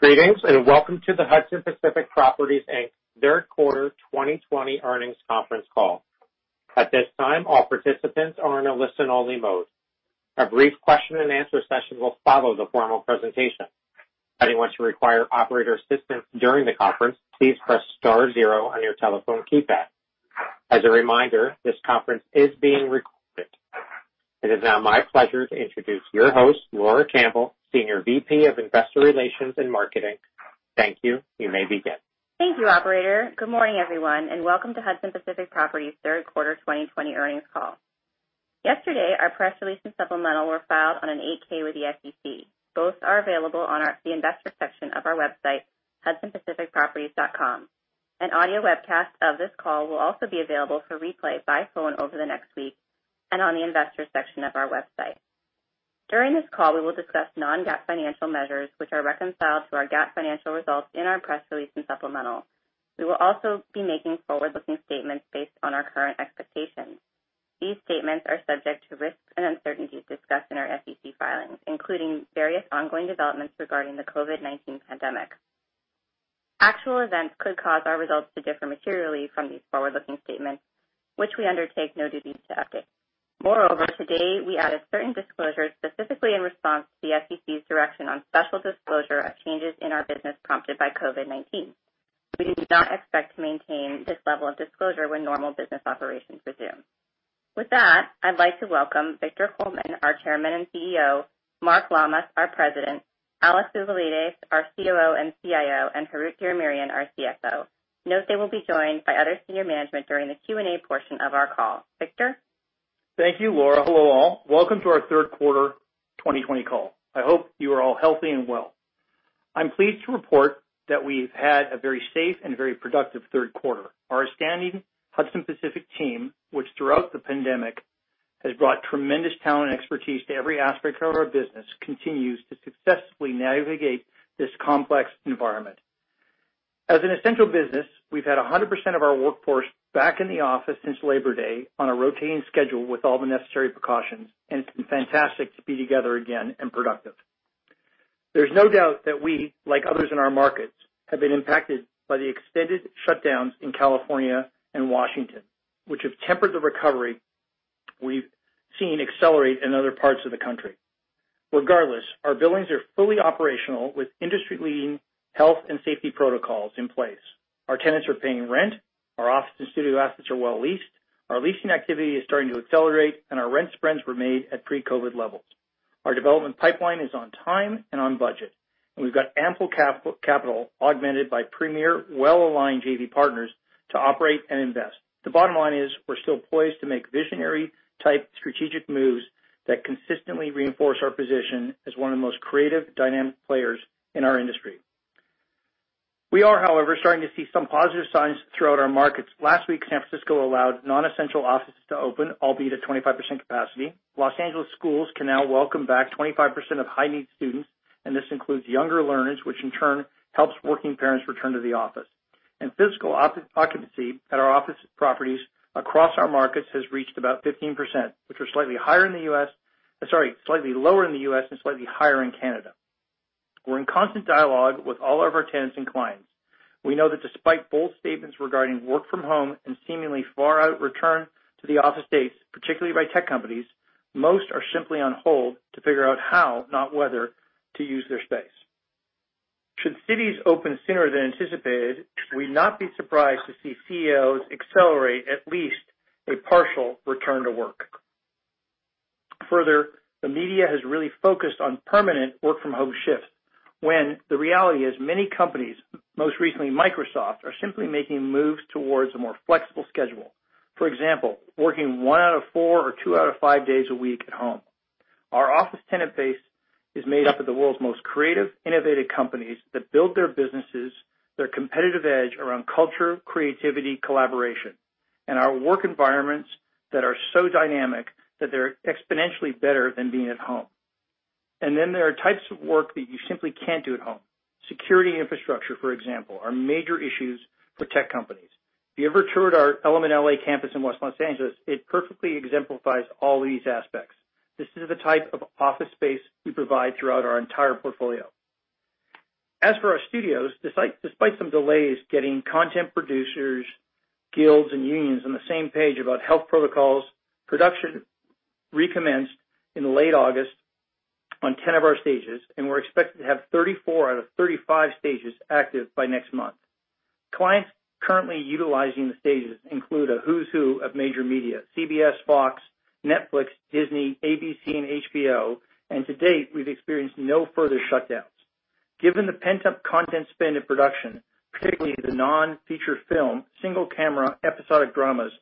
Greetings, and welcome to the Hudson Pacific Properties Third Quarter 2020 Earnings Conference Call. At this time, all participants are in the listen-only mode. A brief question and answer session will follow the formal presentation. Anyone's require operator assistance during the conference, please press star zero on your telephone keypad. As a reminder, this conference is being recorded. It is now my pleasure to introduce your host, Laura Campbell, Senior VP of Investor Relations & Marketing. Thank you. You may begin. Thank you, operator. Good morning, everyone, and welcome to Hudson Pacific Properties' third quarter 2020 earnings call. Yesterday, our press release and supplemental were filed on an 8-K with the SEC. Both are available on the investor section of our website, hudsonpacificproperties.com. An audio webcast of this call will also be available for replay by phone over the next week and on the investor section of our website. During this call, we will discuss non-GAAP financial measures which are reconciled to our GAAP financial results in our press release and supplemental. We will also be making forward-looking statements based on our current expectations. These statements are subject to risks and uncertainties discussed in our SEC filings, including various ongoing developments regarding the COVID-19 pandemic. Actual events could cause our results to differ materially from these forward-looking statements, which we undertake no duty to update. Moreover, today, we added certain disclosures specifically in response to the SEC's direction on special disclosure of changes in our business prompted by COVID-19. We do not expect to maintain this level of disclosure when normal business operations resume. With that, I'd like to welcome Victor Coleman, our Chairman and CEO, Mark Lammas, our President, Alex Vouvalides, our COO and CIO, and Harout Diramerian, our CFO. Note they will be joined by other senior management during the Q&A portion of our call. Victor? Thank you, Laura. Hello, all. Welcome to our third quarter 2020 call. I hope you are all healthy and well. I'm pleased to report that we've had a very safe and very productive third quarter. Our outstanding Hudson Pacific team, which throughout the pandemic has brought tremendous talent and expertise to every aspect of our business, continues to successfully navigate this complex environment. As an essential business, we've had 100% of our workforce back in the office since Labor Day on a rotating schedule with all the necessary precautions, and it's been fantastic to be together again and productive. There's no doubt that we, like others in our markets, have been impacted by the extended shutdowns in California and Washington, which have tempered the recovery we've seen accelerate in other parts of the country. Regardless, our buildings are fully operational with industry-leading health and safety protocols in place. Our tenants are paying rent. Our office and studio assets are well leased. Our leasing activity is starting to accelerate. Our rent spreads were made at pre-COVID-19 levels. Our development pipeline is on time and on budget. We've got ample capital augmented by premier well-aligned JV partners to operate and invest. The bottom line is we're still poised to make visionary type strategic moves that consistently reinforce our position as one of the most creative dynamic players in our industry. We are, however, starting to see some positive signs throughout our markets. Last week, San Francisco allowed non-essential offices to open, albeit at 25% capacity. Los Angeles schools can now welcome back 25% of high-need students. This includes younger learners, which in turn helps working parents return to the office. Physical occupancy at our office properties across our markets has reached about 15%, which are slightly lower in the U.S. and slightly higher in Canada. We're in constant dialogue with all of our tenants and clients. We know that despite bold statements regarding work from home and seemingly far out return to the office dates, particularly by tech companies, most are simply on hold to figure out how, not whether, to use their space. Should cities open sooner than anticipated, we'd not be surprised to see CEOs accelerate at least a partial return to work. Further, the media has really focused on permanent work from home shifts, when the reality is many companies, most recently Microsoft, are simply making moves towards a more flexible schedule. For example, working one out of four or two out of five days a week at home. Our office tenant base is made up of the world's most creative, innovative companies that build their businesses, their competitive edge around culture, creativity, collaboration. Our work environments that are so dynamic that they're exponentially better than being at home. There are types of work that you simply can't do at home. Security and infrastructure, for example, are major issues for tech companies. If you ever toured our Element L.A. campus in West Los Angeles, it perfectly exemplifies all these aspects. This is the type of office space we provide throughout our entire portfolio. As for our studios, despite some delays getting content producers, guilds, and unions on the same page about health protocols, production recommenced in late August on 10 stages. We're expected to have 34 out of 35 stages active by next month. Clients currently utilizing the stages include a who's who of major media, CBS, Fox, Netflix, Disney, ABC, and HBO, and to date, we've experienced no further shutdowns. Given the pent-up content spend in production, particularly the non-feature film, single camera, episodic dramas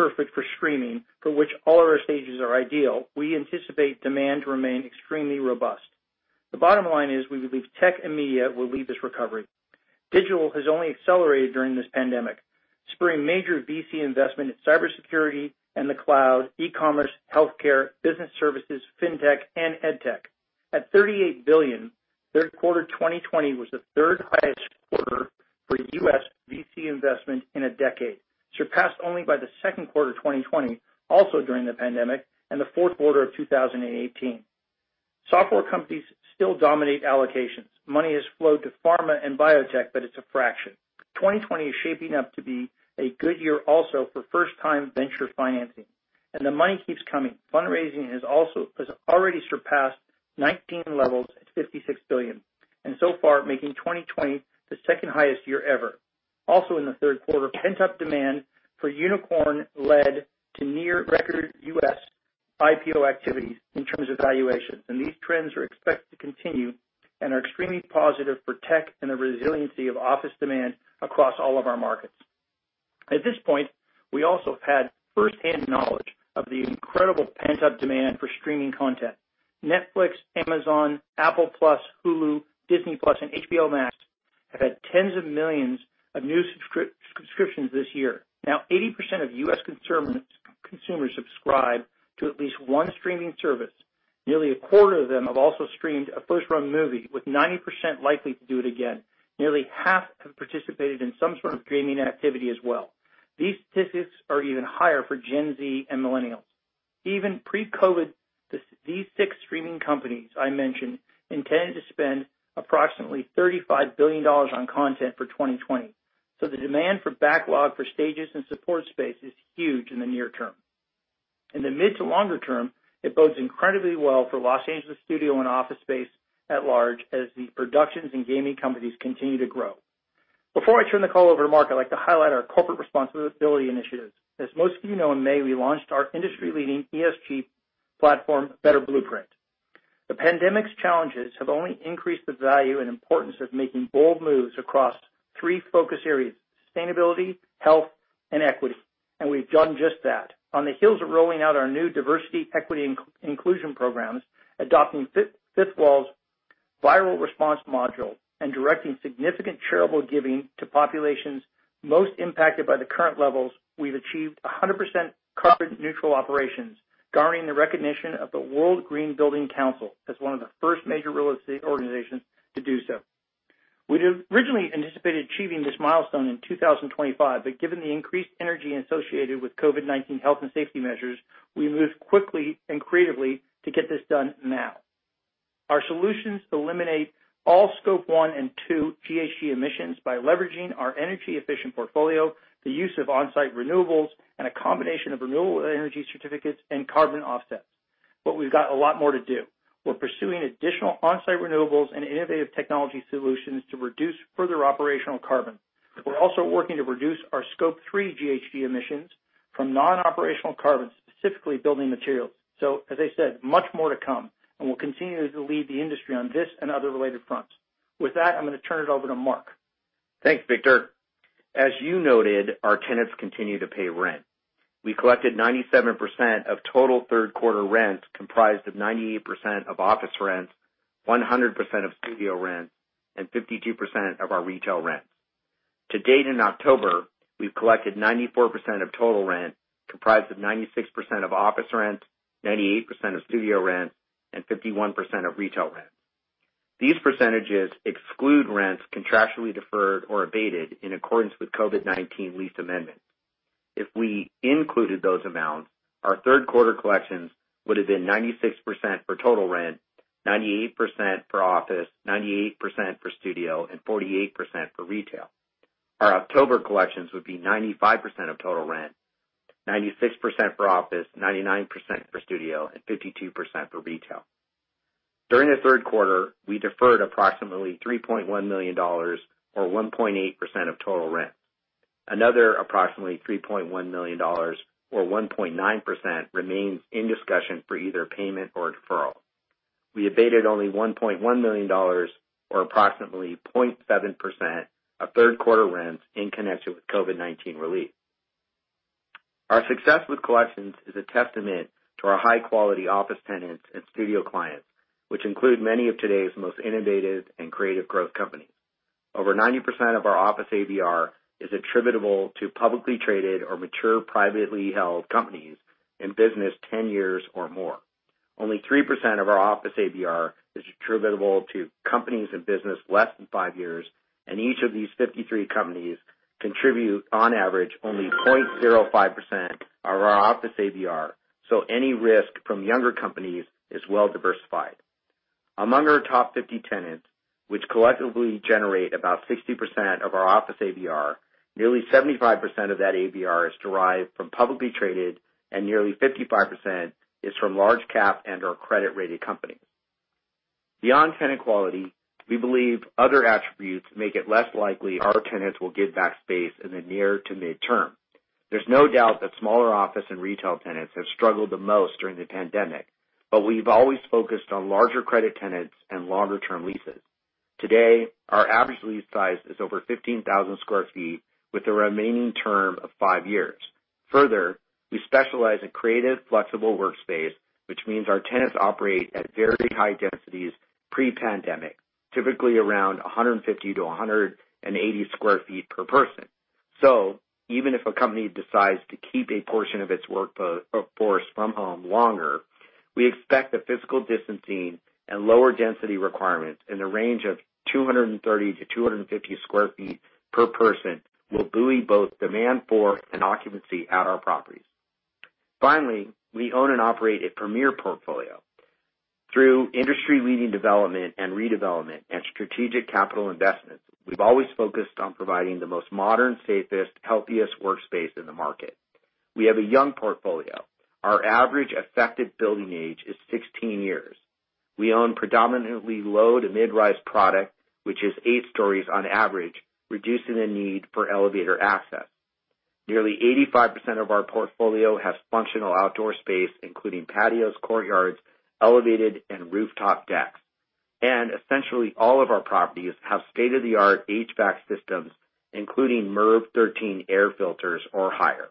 perfect for streaming, for which all of our stages are ideal, we anticipate demand to remain extremely robust. The bottom line is we believe tech and media will lead this recovery. Digital has only accelerated during this pandemic, spurring major VC investment in cybersecurity and the cloud, e-commerce, healthcare, business services, fintech, and edtech. At $38 billion, third quarter 2020 was the third highest U.S. VC investment in a decade, surpassed only by the second quarter 2020, also during the pandemic, and the fourth quarter of 2018. Software companies still dominate allocations. Money has flowed to pharma and biotech, but it's a fraction. 2020 is shaping up to be a good year also for first-time venture financing. The money keeps coming. Fundraising has already surpassed 2019 levels at $56 billion, and so far, making 2020 the second highest year ever. Also in the third quarter, pent-up demand for unicorn led to near record U.S. IPO activities in terms of valuations. These trends are expected to continue and are extremely positive for tech and the resiliency of office demand across all of our markets. At this point, we also have had first-hand knowledge of the incredible pent-up demand for streaming content. Netflix, Amazon, Apple TV+, Hulu, Disney+, and HBO Max have had tens of millions of new subscriptions this year. Now, 80% of U.S. consumers subscribe to at least one streaming service. Nearly a quarter of them have also streamed a first-run movie, with 90% likely to do it again. Nearly half have participated in some sort of streaming activity as well. These statistics are even higher for Gen Z and millennials. Even pre-COVID, these six streaming companies I mentioned intended to spend approximately $35 billion on content for 2020. The demand for backlog for stages and support space is huge in the near term. In the mid to longer term, it bodes incredibly well for Los Angeles studio and office space at large as the productions and gaming companies continue to grow. Before I turn the call over to Mark, I'd like to highlight our corporate responsibility initiatives. As most of you know, in May, we launched our industry-leading ESG platform, Better Blueprint. The pandemic's challenges have only increased the value and importance of making bold moves across three focus areas, sustainability, health, and equity. We've done just that. On the heels of rolling out our new diversity equity inclusion programs, adopting Fitwel's Viral Response module, and directing significant charitable giving to populations most impacted by the current levels, we've achieved 100% carbon neutral operations, garnering the recognition of the World Green Building Council as one of the first major real estate organizations to do so. We'd originally anticipated achieving this milestone in 2025, but given the increased energy associated with COVID-19 health and safety measures, we moved quickly and creatively to get this done now. Our solutions eliminate all scope 1 and 2 GHG emissions by leveraging our energy efficient portfolio, the use of on-site renewables, and a combination of renewable energy certificates and carbon offsets. We've got a lot more to do. We're pursuing additional on-site renewables and innovative technology solutions to reduce further operational carbon. We're also working to reduce our scope 3 GHG emissions from non-operational carbon, specifically building materials. As I said, much more to come, and we'll continue to lead the industry on this and other related fronts. With that, I'm going to turn it over to Mark. Thanks, Victor. As you noted, our tenants continue to pay rent. We collected 97% of total third quarter rent, comprised of 98% of office rents, 100% of studio rent, and 52% of our retail rent. To date in October, we've collected 94% of total rent, comprised of 96% of office rent, 98% of studio rent, and 51% of retail rent. These percentages exclude rents contractually deferred or abated in accordance with COVID-19 lease amendments. If we included those amounts, our third quarter collections would have been 96% for total rent, 98% for office, 98% for studio, and 48% for retail. Our October collections would be 95% of total rent, 96% for office, 99% for studio, and 52% for retail. During the third quarter, we deferred approximately $3.1 million, or 1.8% of total rent. Another approximately $3.1 million or 1.9%, remains in discussion for either payment or deferral. We abated only $1.1 million or approximately 0.7% of third quarter rents in connection with COVID-19 relief. Our success with collections is a testament to our high-quality office tenants and studio clients, which include many of today's most innovative and creative growth companies. Over 90% of our office ABR is attributable to publicly traded or mature privately held companies in business 10 years or more. Only 3% of our office ABR is attributable to companies in business less than five years, and each of these 53 companies contribute, on average, only 0.05% of our office ABR. Any risk from younger companies is well diversified. Among our top 50 tenants, which collectively generate about 60% of our office ABR, nearly 75% of that ABR is derived from publicly traded and nearly 55% is from large cap and/or credit-rated companies. Beyond tenant quality, we believe other attributes make it less likely our tenants will give back space in the near to midterm. There's no doubt that smaller office and retail tenants have struggled the most during the pandemic, but we've always focused on larger credit tenants and longer term leases. Today, our average lease size is over 15,000 sq ft with a remaining term of five years. Further, we specialize in creative, flexible workspace, which means our tenants operate at very high densities pre-pandemic, typically around 150-180 sq ft per person. Even if a company decides to keep a portion of its workforce from home longer, we expect the physical distancing and lower density requirements in the range of 230-250 sq ft per person will buoy both demand for and occupancy at our properties. Finally, we own and operate a premier portfolio. Through industry leading development and redevelopment and strategic capital investments, we've always focused on providing the most modern, safest, healthiest workspace in the market. We have a young portfolio. Our average effective building age is 16 years. We own predominantly low to mid-rise product, which is eight stories on average, reducing the need for elevator access. Nearly 85% of our portfolio has functional outdoor space, including patios, courtyards, elevated and rooftop decks. Essentially all of our properties have state-of-the-art HVAC systems, including MERV 13 air filters or higher.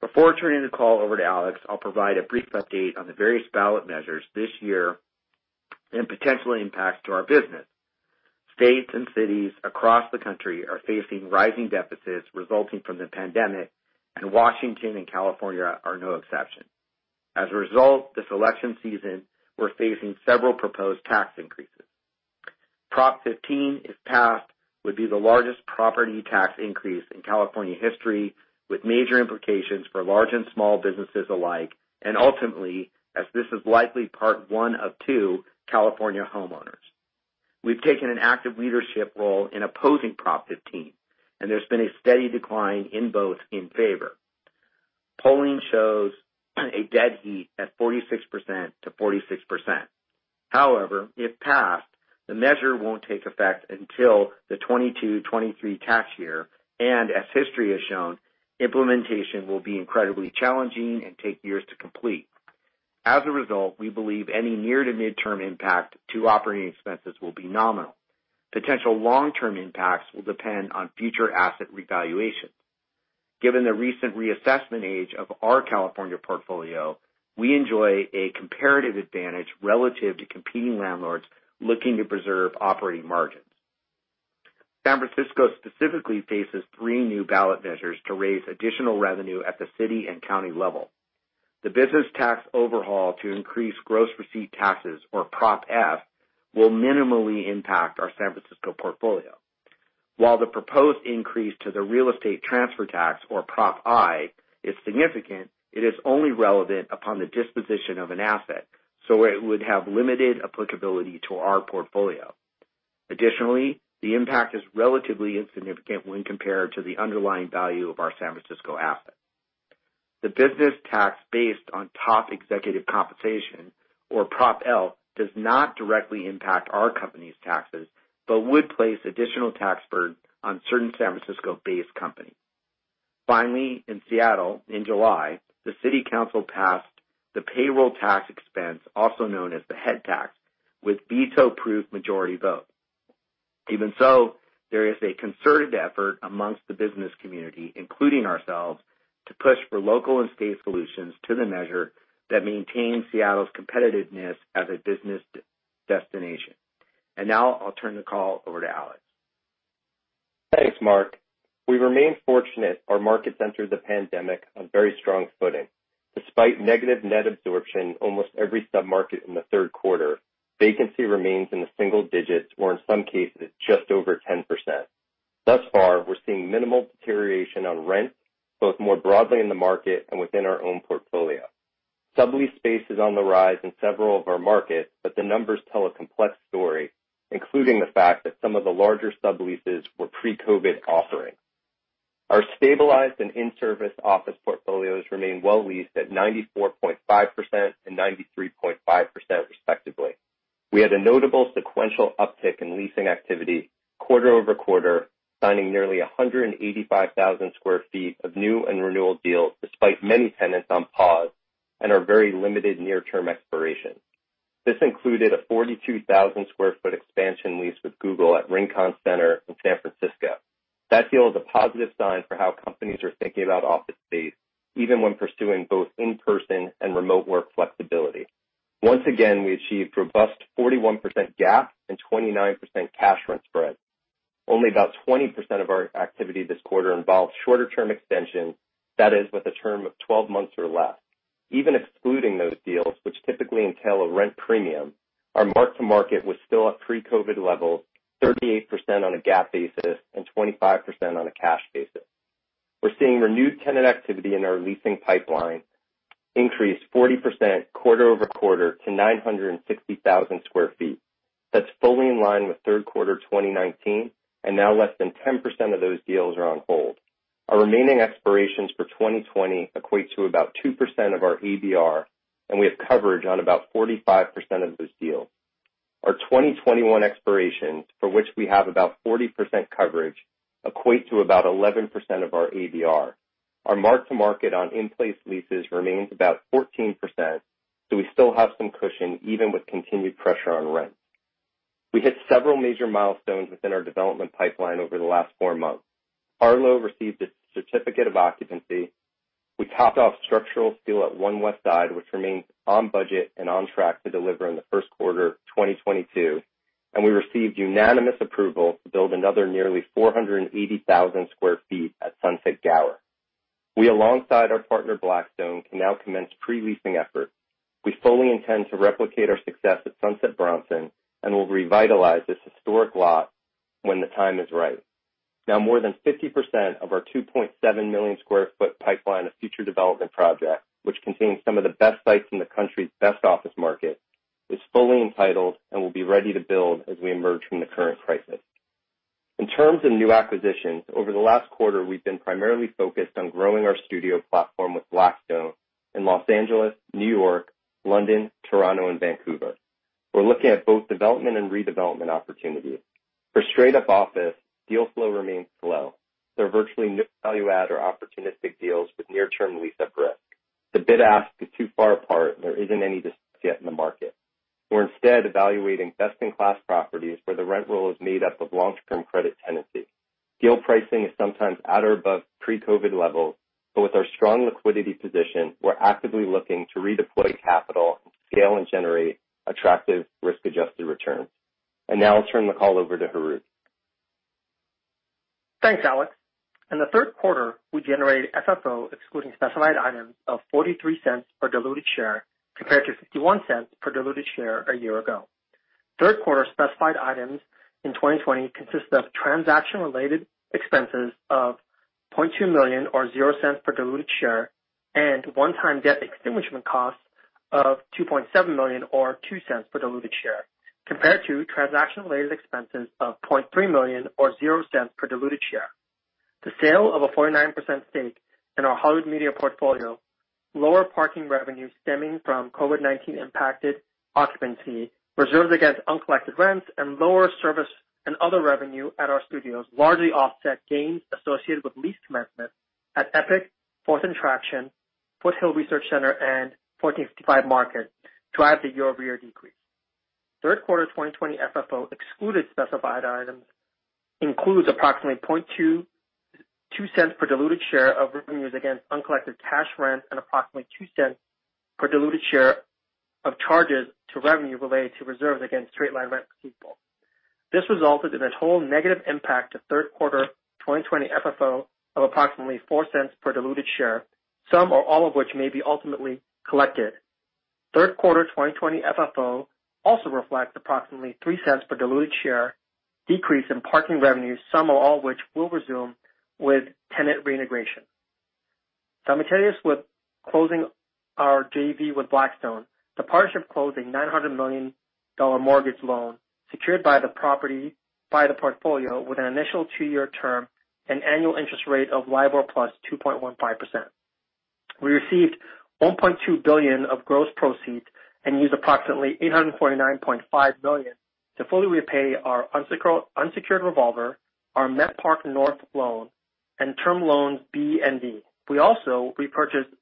Before turning the call over to Alex, I'll provide a brief update on the various ballot measures this year and potential impacts to our business. States and cities across the country are facing rising deficits resulting from the pandemic. Washington and California are no exception. As a result, this election season, we're facing several proposed tax increases. Prop 15, if passed, would be the largest property tax increase in California history, with major implications for large and small businesses alike, and ultimately, as this is likely part one of two, California homeowners. We've taken an active leadership role in opposing Prop 15, and there's been a steady decline in votes in favor. Polling shows a dead heat at 46% to 46%. However, if passed, the measure won't take effect until the 2022-2023 tax year, and as history has shown, implementation will be incredibly challenging and take years to complete. As a result, we believe any near to midterm impact to operating expenses will be nominal. Potential long-term impacts will depend on future asset revaluation. Given the recent reassessment age of our California portfolio, we enjoy a comparative advantage relative to competing landlords looking to preserve operating margins. San Francisco specifically faces three new ballot measures to raise additional revenue at the city and county level. The business tax overhaul to increase gross receipt taxes, or Prop F, will minimally impact our San Francisco portfolio. While the proposed increase to the real estate transfer tax, or Prop I, is significant, it is only relevant upon the disposition of an asset, so it would have limited applicability to our portfolio. Additionally, the impact is relatively insignificant when compared to the underlying value of our San Francisco assets. The business tax based on top executive compensation, or Prop L, does not directly impact our company's taxes, but would place additional tax burden on certain San Francisco-based companies. In Seattle, in July, the city council passed the payroll tax expense, also known as the head tax, with veto proof majority vote. Even so, there is a concerted effort amongst the business community, including ourselves, to push for local and state solutions to the measure that maintains Seattle's competitiveness as a business destination. Now I'll turn the call over to Alex. Thanks, Mark. We remain fortunate our market entered the pandemic on very strong footing. Despite negative net absorption in almost every sub-market in the third quarter, vacancy remains in the single digits, or in some cases, just over 10%. Thus far, we're seeing minimal deterioration on rents, both more broadly in the market and within our own portfolio. Sublease space is on the rise in several of our markets, but the numbers tell a complex story, including the fact that some of the larger subleases were pre-COVID offerings. Our stabilized and in-service office portfolios remain well leased at 94.5% and 93.5% respectively. We had a notable sequential uptick in leasing activity quarter-over-quarter, signing nearly 185,000 sq ft of new and renewal deals despite many tenants on pause and our very limited near-term expirations. This included a 42,000 sq ft expansion lease with Google at Rincon Center in San Francisco. That deal is a positive sign for how companies are thinking about office space, even when pursuing both in-person and remote work flexibility. Once again, we achieved robust 41% GAAP and 29% cash rent spread. Only about 20% of our activity this quarter involved shorter term extensions, that is, with a term of 12 months or less. Even excluding those deals, which typically entail a rent premium, our mark to market was still at pre-COVID-19 levels, 38% on a GAAP basis and 25% on a cash basis. We're seeing renewed tenant activity in our leasing pipeline increase 40% quarter-over-quarter to 960,000 sq ft. That's fully in line with third quarter 2019, now less than 10% of those deals are on hold. Our remaining expirations for 2020 equate to about 2% of our ABR, and we have coverage on about 45% of those deals. Our 2021 expirations, for which we have about 40% coverage, equate to about 11% of our ABR. Our mark to market on in-place leases remains about 14%, so we still have some cushion even with continued pressure on rents. We hit several major milestones within our development pipeline over the last four months. Harlow received its certificate of occupancy. We topped off structural steel at One Westside, which remains on budget and on track to deliver in the first quarter 2022, and we received unanimous approval to build another nearly 480,000 sq ft at Sunset Gower. We, alongside our partner Blackstone, can now commence pre-leasing efforts. We fully intend to replicate our success at Sunset Bronson and will revitalize this historic lot when the time is right. Now more than 50% of our 2.7 million sq ft pipeline of future development projects, which contains some of the best sites in the country's best office markets, is fully entitled and will be ready to build as we emerge from the current crisis. In terms of new acquisitions, over the last quarter, we've been primarily focused on growing our studio platform with Blackstone in Los Angeles, New York, London, Toronto, and Vancouver. We're looking at both development and redevelopment opportunities. For straight-up office, deal flow remains slow. There are virtually no value add or opportunistic deals with near-term lease-up risk. The bid ask is too far apart, and there isn't any discourse yet in the market. We're instead evaluating best-in-class properties where the rent roll is made up of long-term credit tenancy. Deal pricing is sometimes at or above pre-COVID levels, but with our strong liquidity position, we're actively looking to redeploy capital to scale and generate attractive risk-adjusted returns. Now I'll turn the call over to Harout. Thanks, Alex. In the third quarter, we generated FFO excluding specified items of $0.43 per diluted share compared to $0.51 per diluted share a year ago. Third quarter specified items in 2020 consist of transaction-related expenses of $0.2 million, or $0.00 per diluted share, and one-time debt extinguishment costs of $2.7 million, or $0.02 per diluted share, compared to transaction-related expenses of $0.3 million or $0.00 per diluted share. The sale of a 49% stake in our Hollywood Media Portfolio, lower parking revenue stemming from COVID-19 impacted occupancy, reserves against uncollected rents, and lower service and other revenue at our studios largely offset gains associated with lease commencement at EPIC, Fourth and Traction, Foothill Research Center, and 1455 Market to add to year-over-year decrease. Third quarter 2020 FFO excluded specified items includes approximately $0.22 per diluted share of reserves against uncollected cash rent and approximately $0.02 per diluted share of charges to revenue related to reserves against straight-line rent receivable. This resulted in a total negative impact to third quarter 2020 FFO of approximately $0.04 per diluted share, some or all of which may be ultimately collected. Third quarter 2020 FFO also reflects approximately $0.03 per diluted share decrease in parking revenue, some or all of which will resume with tenant reintegration. Simultaneous with closing our JV with Blackstone, the partnership closed a $900 million mortgage loan secured by the portfolio with an initial two-year term and annual interest rate of LIBOR plus 2.15%. We received $1.2 billion of gross proceeds and used approximately $849.5 million to fully repay our unsecured revolver, our MetPark North loan, and Term Loans B and D. We also purchased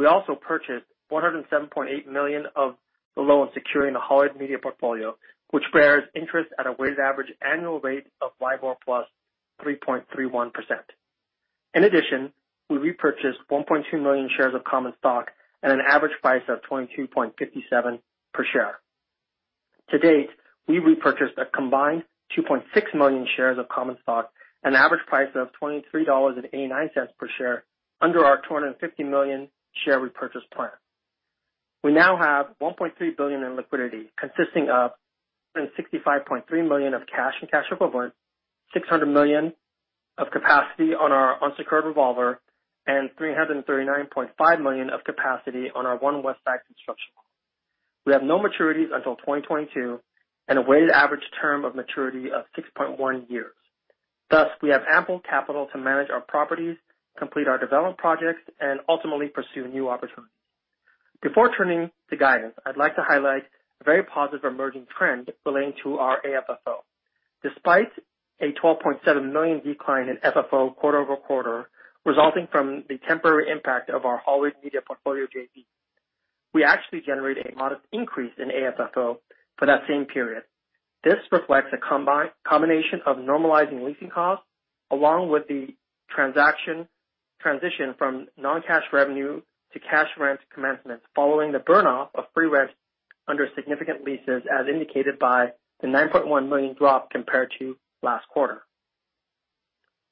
$407.8 million of the loan securing the Hollywood Media Portfolio, which bears interest at a weighted average annual rate of LIBOR plus 3.31%. In addition, we repurchased 1.2 million shares of common stock at an average price of $22.57 per share. To date, we've repurchased a combined 2.6 million shares of common stock at an average price of $23.89 per share under our 250 million share repurchase plan. We now have $1.3 billion in liquidity, consisting of $65.3 million of cash and cash equivalents, $600 million of capacity on our unsecured revolver, and $339.5 million of capacity on our One Westside construction loan. We have no maturities until 2022 and a weighted average term of maturity of 6.1 years. Thus, we have ample capital to manage our properties, complete our development projects, and ultimately pursue new opportunities. Before turning to guidance, I'd like to highlight a very positive emerging trend relating to our AFFO. Despite a $12.7 million decline in FFO quarter-over-quarter resulting from the temporary impact of our Hollywood Media Portfolio JV, we actually generated a modest increase in AFFO for that same period. This reflects a combination of normalizing leasing costs along with the transition from non-cash revenue to cash rent commencement following the burn-off of free rents under significant leases as indicated by the $9.1 million drop compared to last quarter.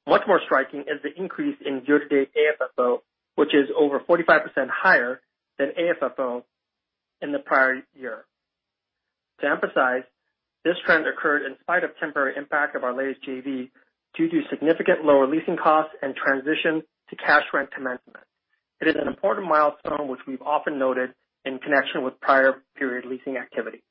Much more striking is the increase in year-to-date AFFO, which is over 45% higher than AFFO in the prior year. To emphasize, this trend occurred in spite of temporary impact of our latest JV due to significant lower leasing costs and transition to cash rent commencement. It is an important milestone which we've often noted in connection with prior period leasing activity.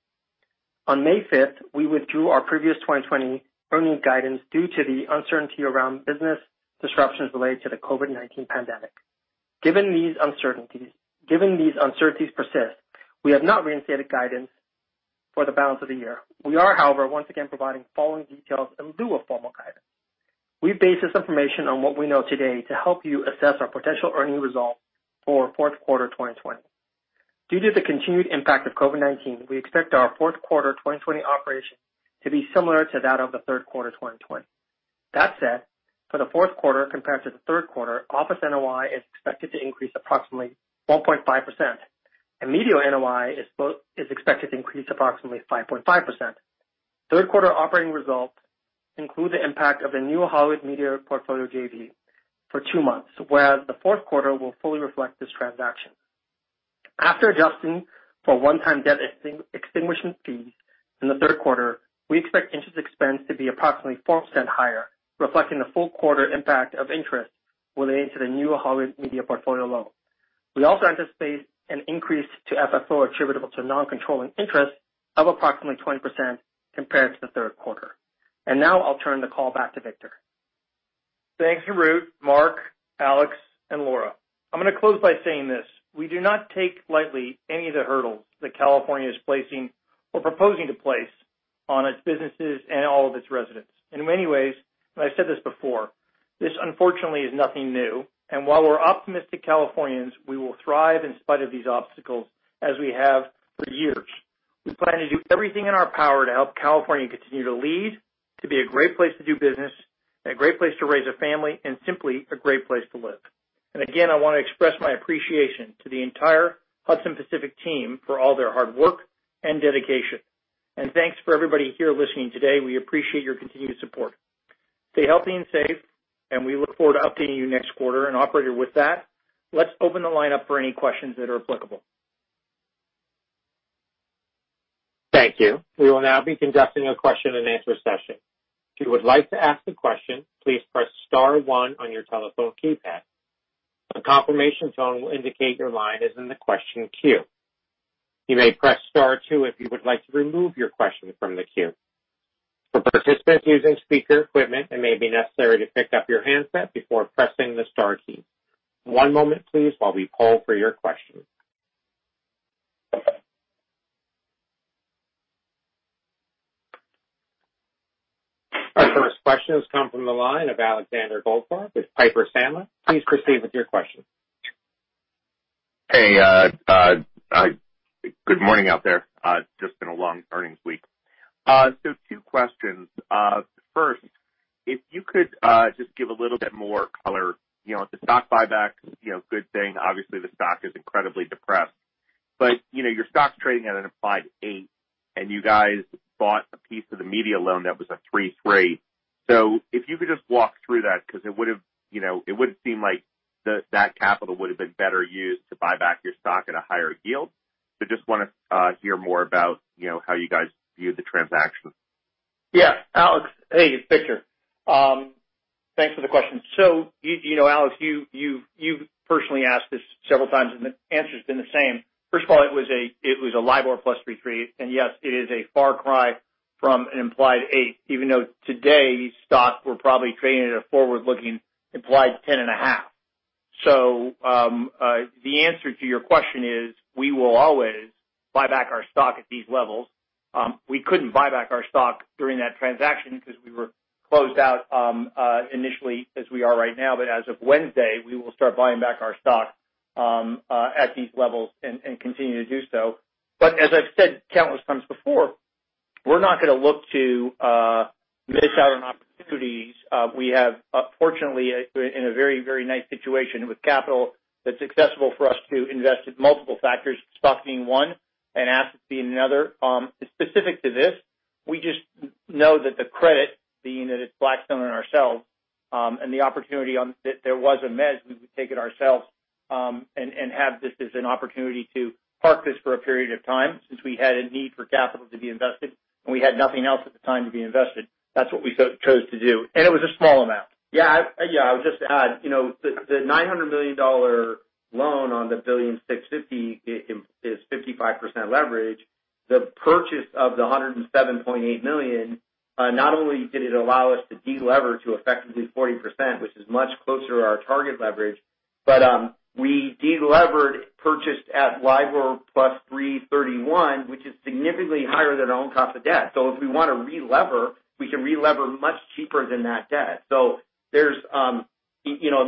On May 5th, we withdrew our previous 2020 earnings guidance due to the uncertainty around business disruptions related to the COVID-19 pandemic. Given these uncertainties persist, we have not reinstated guidance for the balance of the year. We are, however, once again providing the following details in lieu of formal guidance. We base this information on what we know today to help you assess our potential earnings results for fourth quarter 2020. Due to the continued impact of COVID-19, we expect our fourth quarter 2020 operation to be similar to that of the third quarter 2020. That said, for the fourth quarter compared to the third quarter, office NOI is expected to increase approximately 1.5% and media NOI is expected to increase approximately 5.5%. Third quarter operating results include the impact of the new Hollywood Media Portfolio JV for two months, whereas the fourth quarter will fully reflect this transaction. After adjusting for one-time debt extinguishment fees in the third quarter, we expect interest expense to be approximately 4% higher, reflecting the full quarter impact of interest relating to the new Hollywood Media Portfolio loan. We also anticipate an increase to FFO attributable to non-controlling interest of approximately 20% compared to the third quarter. Now I'll turn the call back to Victor. Thanks, Harout, Mark, Alex, and Laura. I'm going to close by saying this. We do not take lightly any of the hurdles that California is placing or proposing to place on its businesses and all of its residents. In many ways, I've said this before, this unfortunately is nothing new. While we're optimistic Californians, we will thrive in spite of these obstacles as we have for years. We plan to do everything in our power to help California continue to lead, to be a great place to do business and a great place to raise a family, and simply a great place to live. Again, I want to express my appreciation to the entire Hudson Pacific team for all their hard work and dedication. Thanks for everybody here listening today. We appreciate your continued support. Stay healthy and safe. We look forward to updating you next quarter. Operator, with that, let's open the line up for any questions that are applicable. Thank you. We will now be conducting a question and answer session. If you would like to ask a question, please press star one on your telephone keypad. A confirmation tone will indicate your line is in the question queue. You may press star two if you would like to remove your question from the queue. For participants using speaker equipment, it may be necessary to pick up your handset before pressing the star key. One moment, please, while we poll for your question. Our first question has come from the line of Alexander Goldfarb with Piper Sandler. Please proceed with your question. Hey, good morning out there. It's just been a long earnings week. Two questions. First, if you could just give a little bit more color. The stock buyback, good thing, obviously the stock is incredibly depressed, but your stock's trading at an implied eight and you guys bought a piece of the media loan that was a three three. If you could just walk through that, because it would've been better used to buy back your stock at a higher yield. Just want to hear more about how you guys view the transaction. Yeah, Alex. Hey, it's Victor. Thanks for the question. Alex, you've personally asked this several times, and the answer's been the same. First of all, it was a LIBOR plus 3.3, and yes, it is a far cry from an implied eight, even though today stocks were probably trading at a forward-looking implied 10.5. The answer to your question is, we will always buy back our stock at these levels. We couldn't buy back our stock during that transaction because we were closed out initially as we are right now. As of Wednesday, we will start buying back our stock at these levels and continue to do so. As I've said countless times before, we're not going to look to miss out on opportunities. We have, fortunately, in a very nice situation with capital that's accessible for us to invest in multiple factors, stock being one and assets being another. Specific to this, we just know that the credit, being that it's Blackstone and ourselves, and the opportunity if there was a bid, we would take it ourselves, and have this as an opportunity to park this for a period of time since we had a need for capital to be invested, and we had nothing else at the time to be invested. That's what we chose to do. It was a small amount. Yeah. I would just add, the $900 million loan on the $1.65 billion is 55% leverage. The purchase of the $107.8 million, not only did it allow us to de-lever to effectively 40%, which is much closer to our target leverage, but we de-levered purchased at LIBOR plus 331, which is significantly higher than our own cost of debt. If we want to re-lever, we can re-lever much cheaper than that debt. It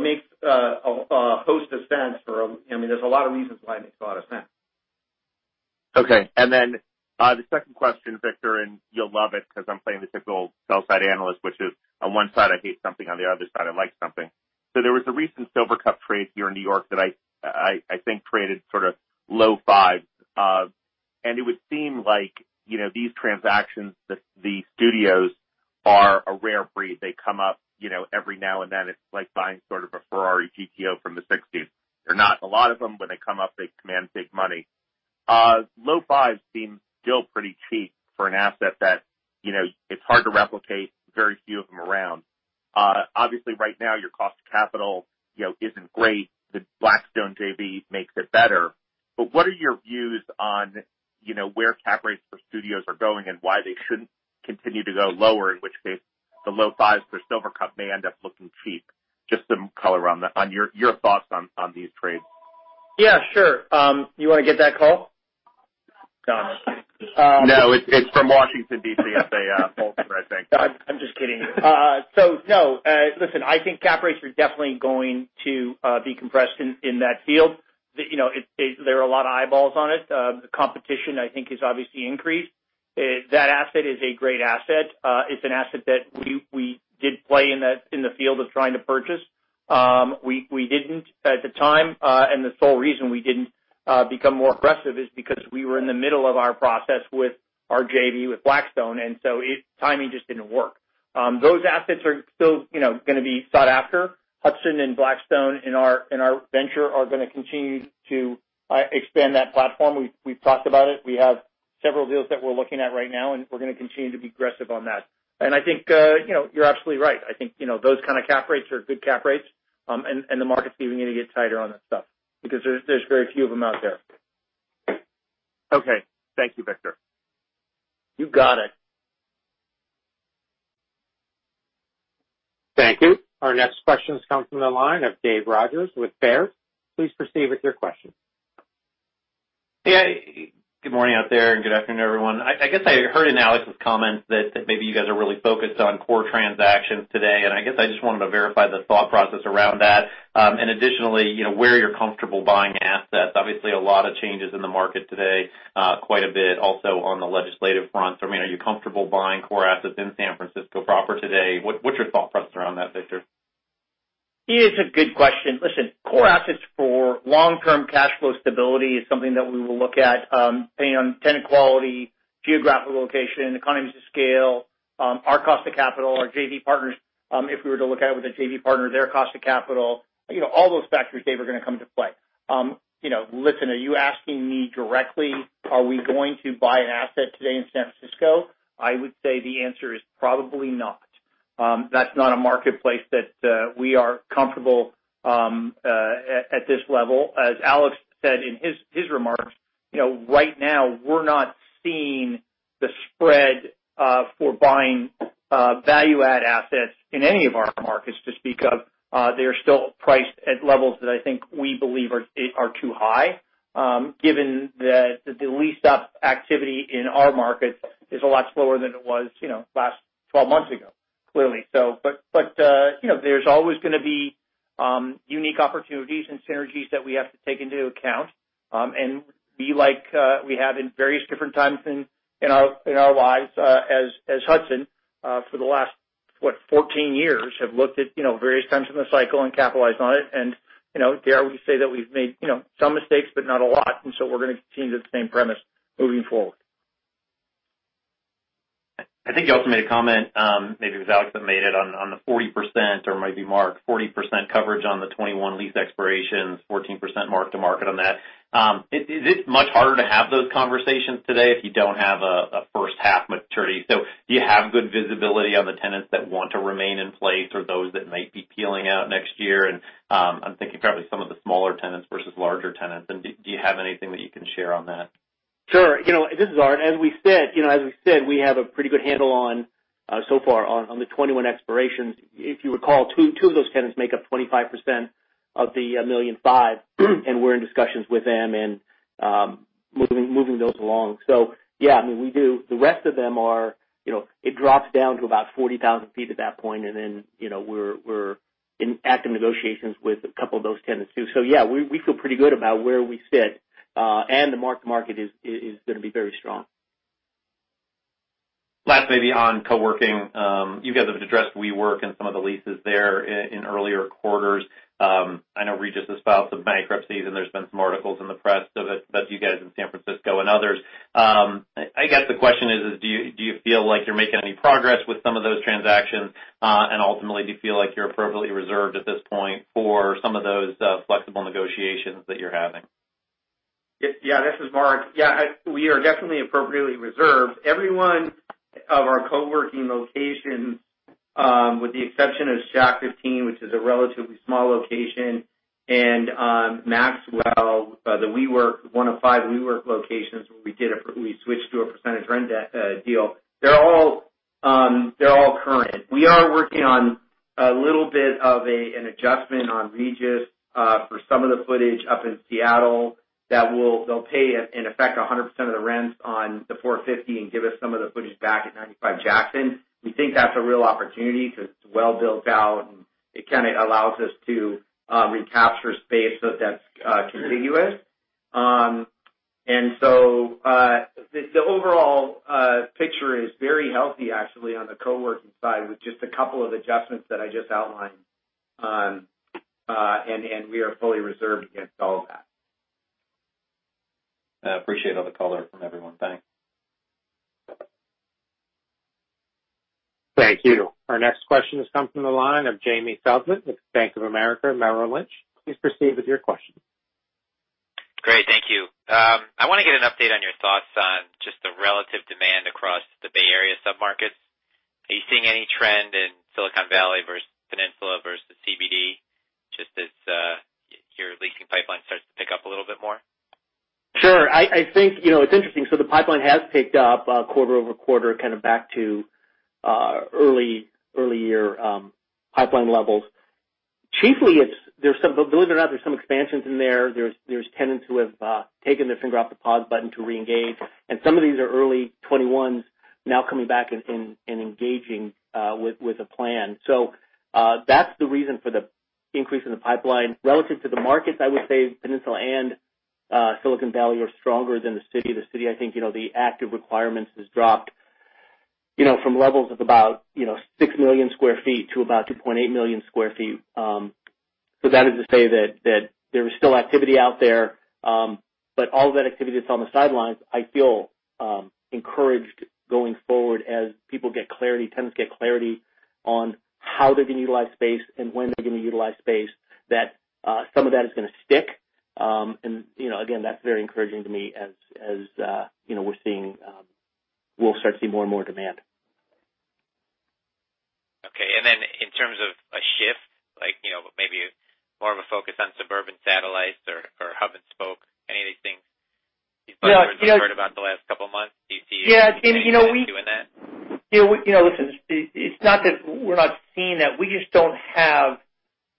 makes a host of sense. There's a lot of reasons why it makes a lot of sense. Okay. The second question, Victor, and you'll love it because I'm playing the typical sell side analyst, which is on one side, I hate something, on the other side, I like something. There was a recent Silvercup trade here in New York that I think created sort of low fives. It would seem like these transactions that the studios are a rare breed. They come up every now and then. It's like buying sort of a Ferrari GTO from the 1960s. There are not a lot of them. When they come up, they command big money. Low fives seem still pretty cheap for an asset that it's hard to replicate, very few of them around. Obviously, right now, your cost of capital isn't great. The Blackstone JV makes it better. What are your views on where cap rates for studios are going and why they shouldn't continue to go lower, in which case the low fives for Silvercup may end up looking cheap. Just some color on your thoughts on these trades. Yeah, sure. You want to get that, Cole? No. No, it's from Washington, D.C., for Baltimore, I think. No, I'm just kidding. No. Listen, I think cap rates are definitely going to be compressed in that field. There are a lot of eyeballs on it. The competition, I think, has obviously increased. That asset is a great asset. It's an asset that we did play in the field of trying to purchase. We didn't at the time, and the sole reason we didn't become more aggressive is because we were in the middle of our process with our JV with Blackstone. Timing just didn't work. Those assets are still going to be sought after. Hudson and Blackstone in our venture are going to continue to expand that platform. We've talked about it. We have several deals that we're looking at right now. We're going to continue to be aggressive on that. I think you're absolutely right. I think those kind of cap rates are good cap rates. The market's even going to get tighter on that stuff because there's very few of them out there. Okay. Thank you, Victor. You got it. Thank you. Our next question comes from the line of Dave Rodgers with Baird. Please proceed with your question. Hey. Good morning out there, and good afternoon, everyone. I guess I heard in Alex's comments that maybe you guys are really focused on core transactions today, and I guess I just wanted to verify the thought process around that. Additionally, where you're comfortable buying assets. Obviously, a lot of changes in the market today, quite a bit also on the legislative front. I mean, are you comfortable buying core assets in San Francisco proper today? What's your thought process around that, Victor? It's a good question. Listen, core assets for long-term cash flow stability is something that we will look at based on tenant quality, geographical location, economies of scale, our cost of capital, our JV partners, if we were to look at it with a JV partner, their cost of capital. All those factors, Dave, are going to come into play. Listen, are you asking me directly, are we going to buy an asset today in San Francisco? I would say the answer is probably not. That's not a marketplace that we are comfortable at this level. As Alex said in his remarks, right now we're not seeing the spread for buying value-add assets in any of our markets to speak of. They are still priced at levels that I think we believe are too high, given that the leased-up activity in our markets is a lot slower than it was last 12 months ago, clearly. There's always going to be unique opportunities and synergies that we have to take into account, and be like we have in various different times in our lives, as Hudson, for the last, what, 14 years, have looked at various times in the cycle and capitalized on it. Dare we say that we've made some mistakes, but not a lot. We're going to continue the same premise moving forward. I think you also made a comment, maybe it was Alex that made it, on the 40%, or it might be Mark, 40% coverage on the 2021 lease expirations, 14% mark-to-market on that. Is it much harder to have those conversations today if you don't have a first-half maturity? Do you have good visibility on the tenants that want to remain in place or those that might be peeling out next year? I'm thinking probably some of the smaller tenants versus larger tenants. Do you have anything that you can share on that? Sure. This is Art. As we said, we have a pretty good handle so far on the 2021 expirations. If you recall, two of those tenants make up 25% of the 1.5 million sq ft. We're in discussions with them and moving those along. Yeah, we do. It drops down to about 40,000 ft at that point. We're in active negotiations with a couple of those tenants, too. Yeah, we feel pretty good about where we sit. The mark-to-market is going to be very strong. Last, maybe on co-working. You guys have addressed WeWork and some of the leases there in earlier quarters. I know Regus has filed some bankruptcies, and there's been some articles in the press about you guys in San Francisco and others. I guess the question is, do you feel like you're making any progress with some of those transactions? Ultimately, do you feel like you're appropriately reserved at this point for some of those flexible negotiations that you're having? Yeah. This is Mark. Yeah. We are definitely appropriately reserved. Every one of our co-working locations, with the exception of Jack 15, which is a relatively small location, and Maxwell, the WeWork, one of five WeWork locations where we switched to a percentage rent deal. They're all current. We are working on a little bit of an adjustment on Regus for some of the footage up in Seattle that they'll pay, in effect, 100% of the rent on the 450 and give us some of the footage back at 95 Jackson. We think that's a real opportunity because it's well built out, and it kind of allows us to recapture space so that's contiguous. The overall picture is very healthy, actually, on the co-working side with just a couple of adjustments that I just outlined, and we are fully reserved against all of that. I appreciate all the color from everyone. Thanks. Thank you. Our next question has come from the line of Jamie Feldman with Bank of America Merrill Lynch. Please proceed with your question. Great. Thank you. I want to get an update on your thoughts on just the relative demand across the Bay Area sub-markets. Are you seeing any trend in Silicon Valley versus Peninsula versus CBD, just as your leasing pipeline starts to pick up a little bit more? Sure. I think it's interesting. The pipeline has picked up quarter-over-quarter, kind of back to earlier pipeline levels. Chiefly, believe it or not, there's some expansions in there. There's tenants who have taken their finger off the pause button to reengage, and some of these are early 2021s now coming back and engaging with a plan. That's the reason for the increase in the pipeline. Relative to the markets, I would say Peninsula and Silicon Valley are stronger than the city. The city, I think, the active requirements has dropped from levels of about 6 million sq ft to about 2.8 million sq ft. That is to say that there is still activity out there. All of that activity that's on the sidelines, I feel encouraged going forward as people get clarity, tenants get clarity on how they're going to utilize space and when they're going to utilize space, that some of that is going to stick. Again, that's very encouraging to me as we'll start to see more and more demand. Okay, then in terms of a shift, maybe more of a focus on suburban satellites or hub and spoke, any of these things? Yeah. We've heard about the last couple of months. Yeah. Any trend doing that? Listen, it's not that we're not seeing that. We just don't have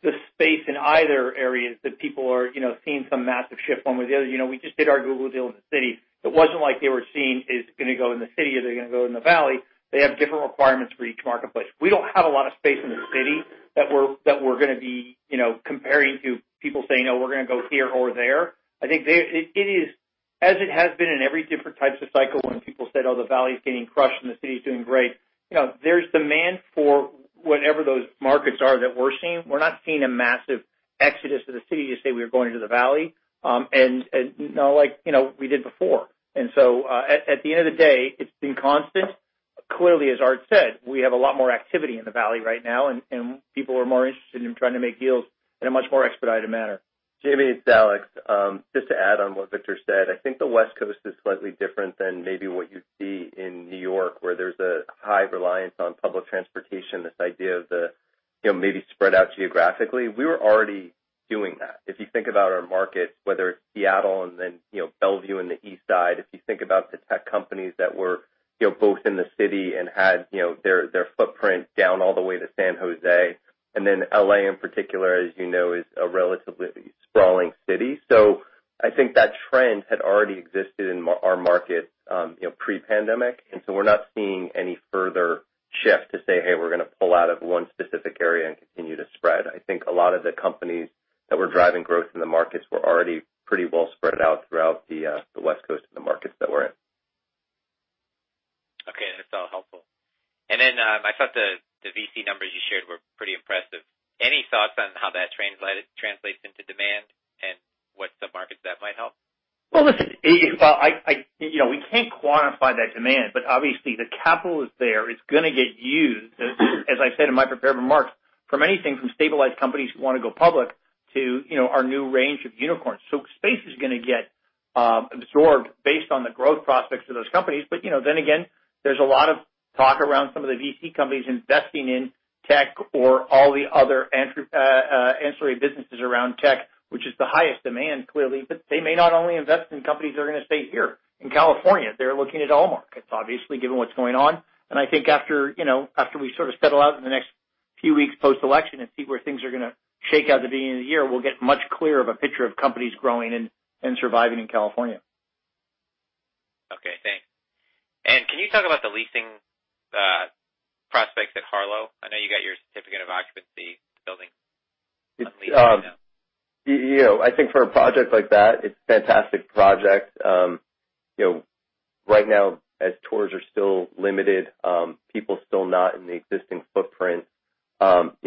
the space in either areas that people are seeing some massive shift one way or the other. We just did our Google deal in the city. It wasn't like they were seeing, is it going to go in the city, are they going to go in the Valley? They have different requirements for each marketplace. We don't have a lot of space in the city that we're going to be comparing to people saying, "Oh, we're going to go here or there." I think it is as it has been in every different types of cycle when people said, "Oh, the Valley's getting crushed and the city's doing great." There's demand for whatever those markets are that we're seeing. We're not seeing a massive exodus to the city to say we're going to the Valley, and not like we did before. At the end of the day, it's been constant. Clearly, as Art said, we have a lot more activity in the Valley right now, and people are more interested in trying to make deals in a much more expedited manner. Jamie, it's Alex. Just to add on what Victor said, I think the West Coast is slightly different than maybe what you'd see in New York, where there's a high reliance on public transportation. This idea of the maybe spread out geographically. We were already doing that. If you think about our markets, whether it's Seattle and then Bellevue in the Eastside. If you think about the tech companies that were both in the city and had their footprint down all the way to San Jose. L.A. in particular, as you know, is a relatively sprawling city. I think that trend had already existed in our market pre-pandemic. We're not seeing any further shift to say, "Hey, we're going to pull out of one specific area and continue to spread." I think a lot of the companies that were driving growth in the markets were already pretty well spread out throughout the West Coast and the markets that we're in. Okay. That's all helpful. Then, I thought the VC numbers you shared were pretty impressive. Any thoughts on how that translates into demand and what submarkets that might help? Well, listen, we can't quantify that demand, but obviously, the capital is there. It's going to get used, as I said in my prepared remarks, from anything from stabilized companies who want to go public to our new range of unicorns. Space is going to get absorbed based on the growth prospects of those companies. There's a lot of talk around some of the VC companies investing in tech or all the other ancillary businesses around tech, which is the highest demand, clearly. They may not only invest in companies that are going to stay here in California. They're looking at all markets, obviously, given what's going on. I think after we sort of settle out in the next few weeks post-election and see where things are going to shake out at the beginning of the year, we'll get much clearer of a picture of companies growing and surviving in California. Okay, thanks. Can you talk about the leasing prospects at Harlow? I know you got your certificate of occupancy building unleased right now. I think for a project like that, it's a fantastic project. Right now as tours are still limited, people still not in the existing footprint.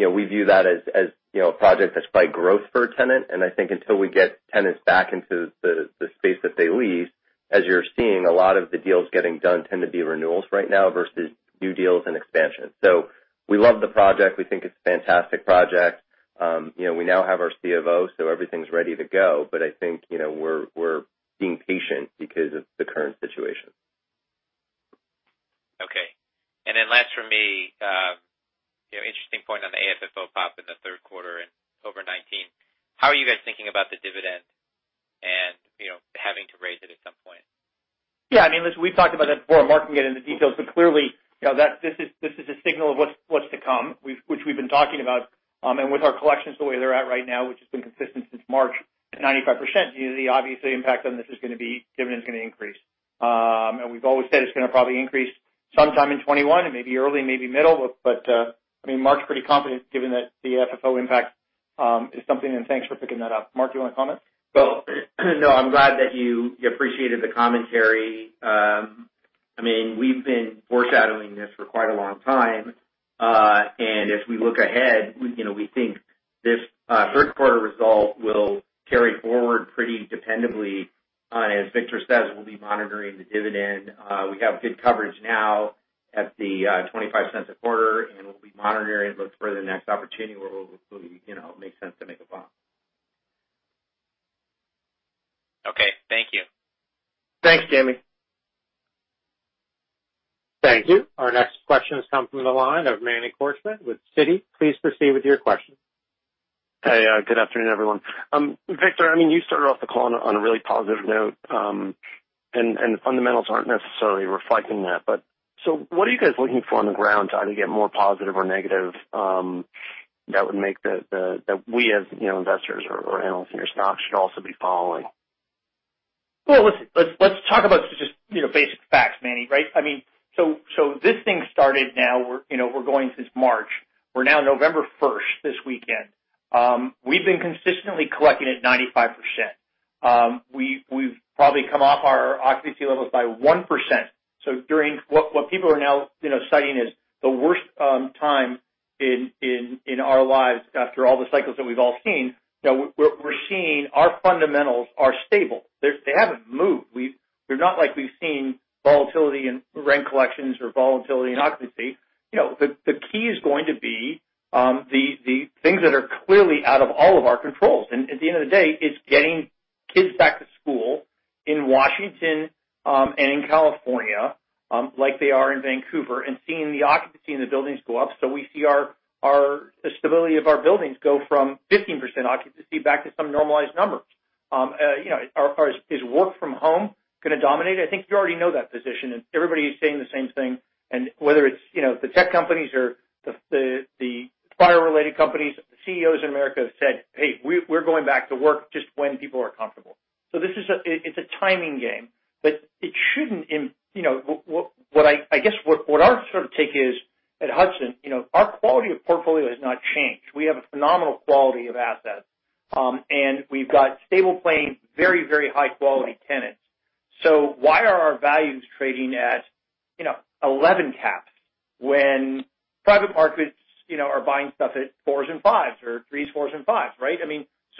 We view that as a project that's by growth for a tenant, and I think until we get tenants back into the space that they lease, as you're seeing, a lot of the deals getting done tend to be renewals right now versus new deals and expansion. We love the project. We think it's a fantastic project. We now have our C of O, so everything's ready to go. I think we're being patient because of the current situation. Okay. Last from me, interesting point on the AFFO pop in the third quarter and October 2019. How are you guys thinking about the dividend and having to raise it at some point? Yeah. Listen, we've talked about that before. Mark can get into the details. Clearly, this is a signal of what's to come, which we've been talking about. With our collections the way they're at right now, which has been consistent since March at 95%, the obvious impact on this is going to be dividend's going to increase. We've always said it's going to probably increase sometime in 2021. It may be early, it may be middle. Mark's pretty confident given that the AFFO impact is something. Thanks for picking that up. Mark, do you want to comment? Well, no, I'm glad that you appreciated the commentary. We've been foreshadowing this for quite a long time. As we look ahead, we think this third quarter result will carry forward pretty dependably. As Victor says, we'll be monitoring the dividend. We have good coverage now at the $0.25 a quarter, and we'll be monitoring and look for the next opportunity where it makes sense to make a bump. Okay. Thank you. Thanks, Jamie. Thank you. Our next question has come from the line of Manny Korchman with Citi. Please proceed with your question. Hey, good afternoon, everyone. Victor, you started off the call on a really positive note. Fundamentals aren't necessarily reflecting that. What are you guys looking for on the ground to either get more positive or negative, that we as investors or analysts in your stock should also be following? Well, let's talk about just basic facts, Manny. This thing started now, we're going since March. We're now November 1st this weekend. We've been consistently collecting at 95%. We've probably come off our occupancy levels by 1%. During what people are now citing as the worst time in our lives after all the cycles that we've all seen, we're seeing our fundamentals are stable. They haven't moved. We've not like we've seen volatility in rent collections or volatility in occupancy. The key is going to be the things that are clearly out of all of our controls. At the end of the day, it's getting kids back to school in Washington and in California, like they are in Vancouver, and seeing the occupancy in the buildings go up. We see our stability of our buildings go from 15% occupancy back to some normalized numbers. Is work from home going to dominate? I think you already know that position, and everybody is saying the same thing, and whether it's the tech companies or the FAANG-related companies, the CEOs in America have said, "Hey, we're going back to work just when people are comfortable." This is a timing game. I guess what our sort of take is at Hudson, our quality of portfolio has not changed. We have a phenomenal quality of assets. We've got stable plan, very high quality tenants. Why are our values trading at 11 caps when private markets are buying stuff at fours and fives or threes, fours, and fives, right?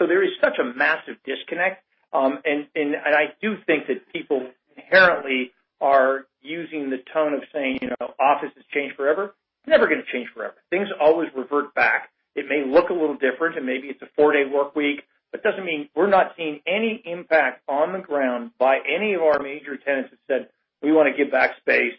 There is such a massive disconnect. I do think that people inherently are using the tone of saying office has changed forever. It's never going to change forever. Things always revert back. It may look a little different, maybe it's a four-day workweek, doesn't mean we're not seeing any impact on the ground by any of our major tenants that said, "We want to give back space,"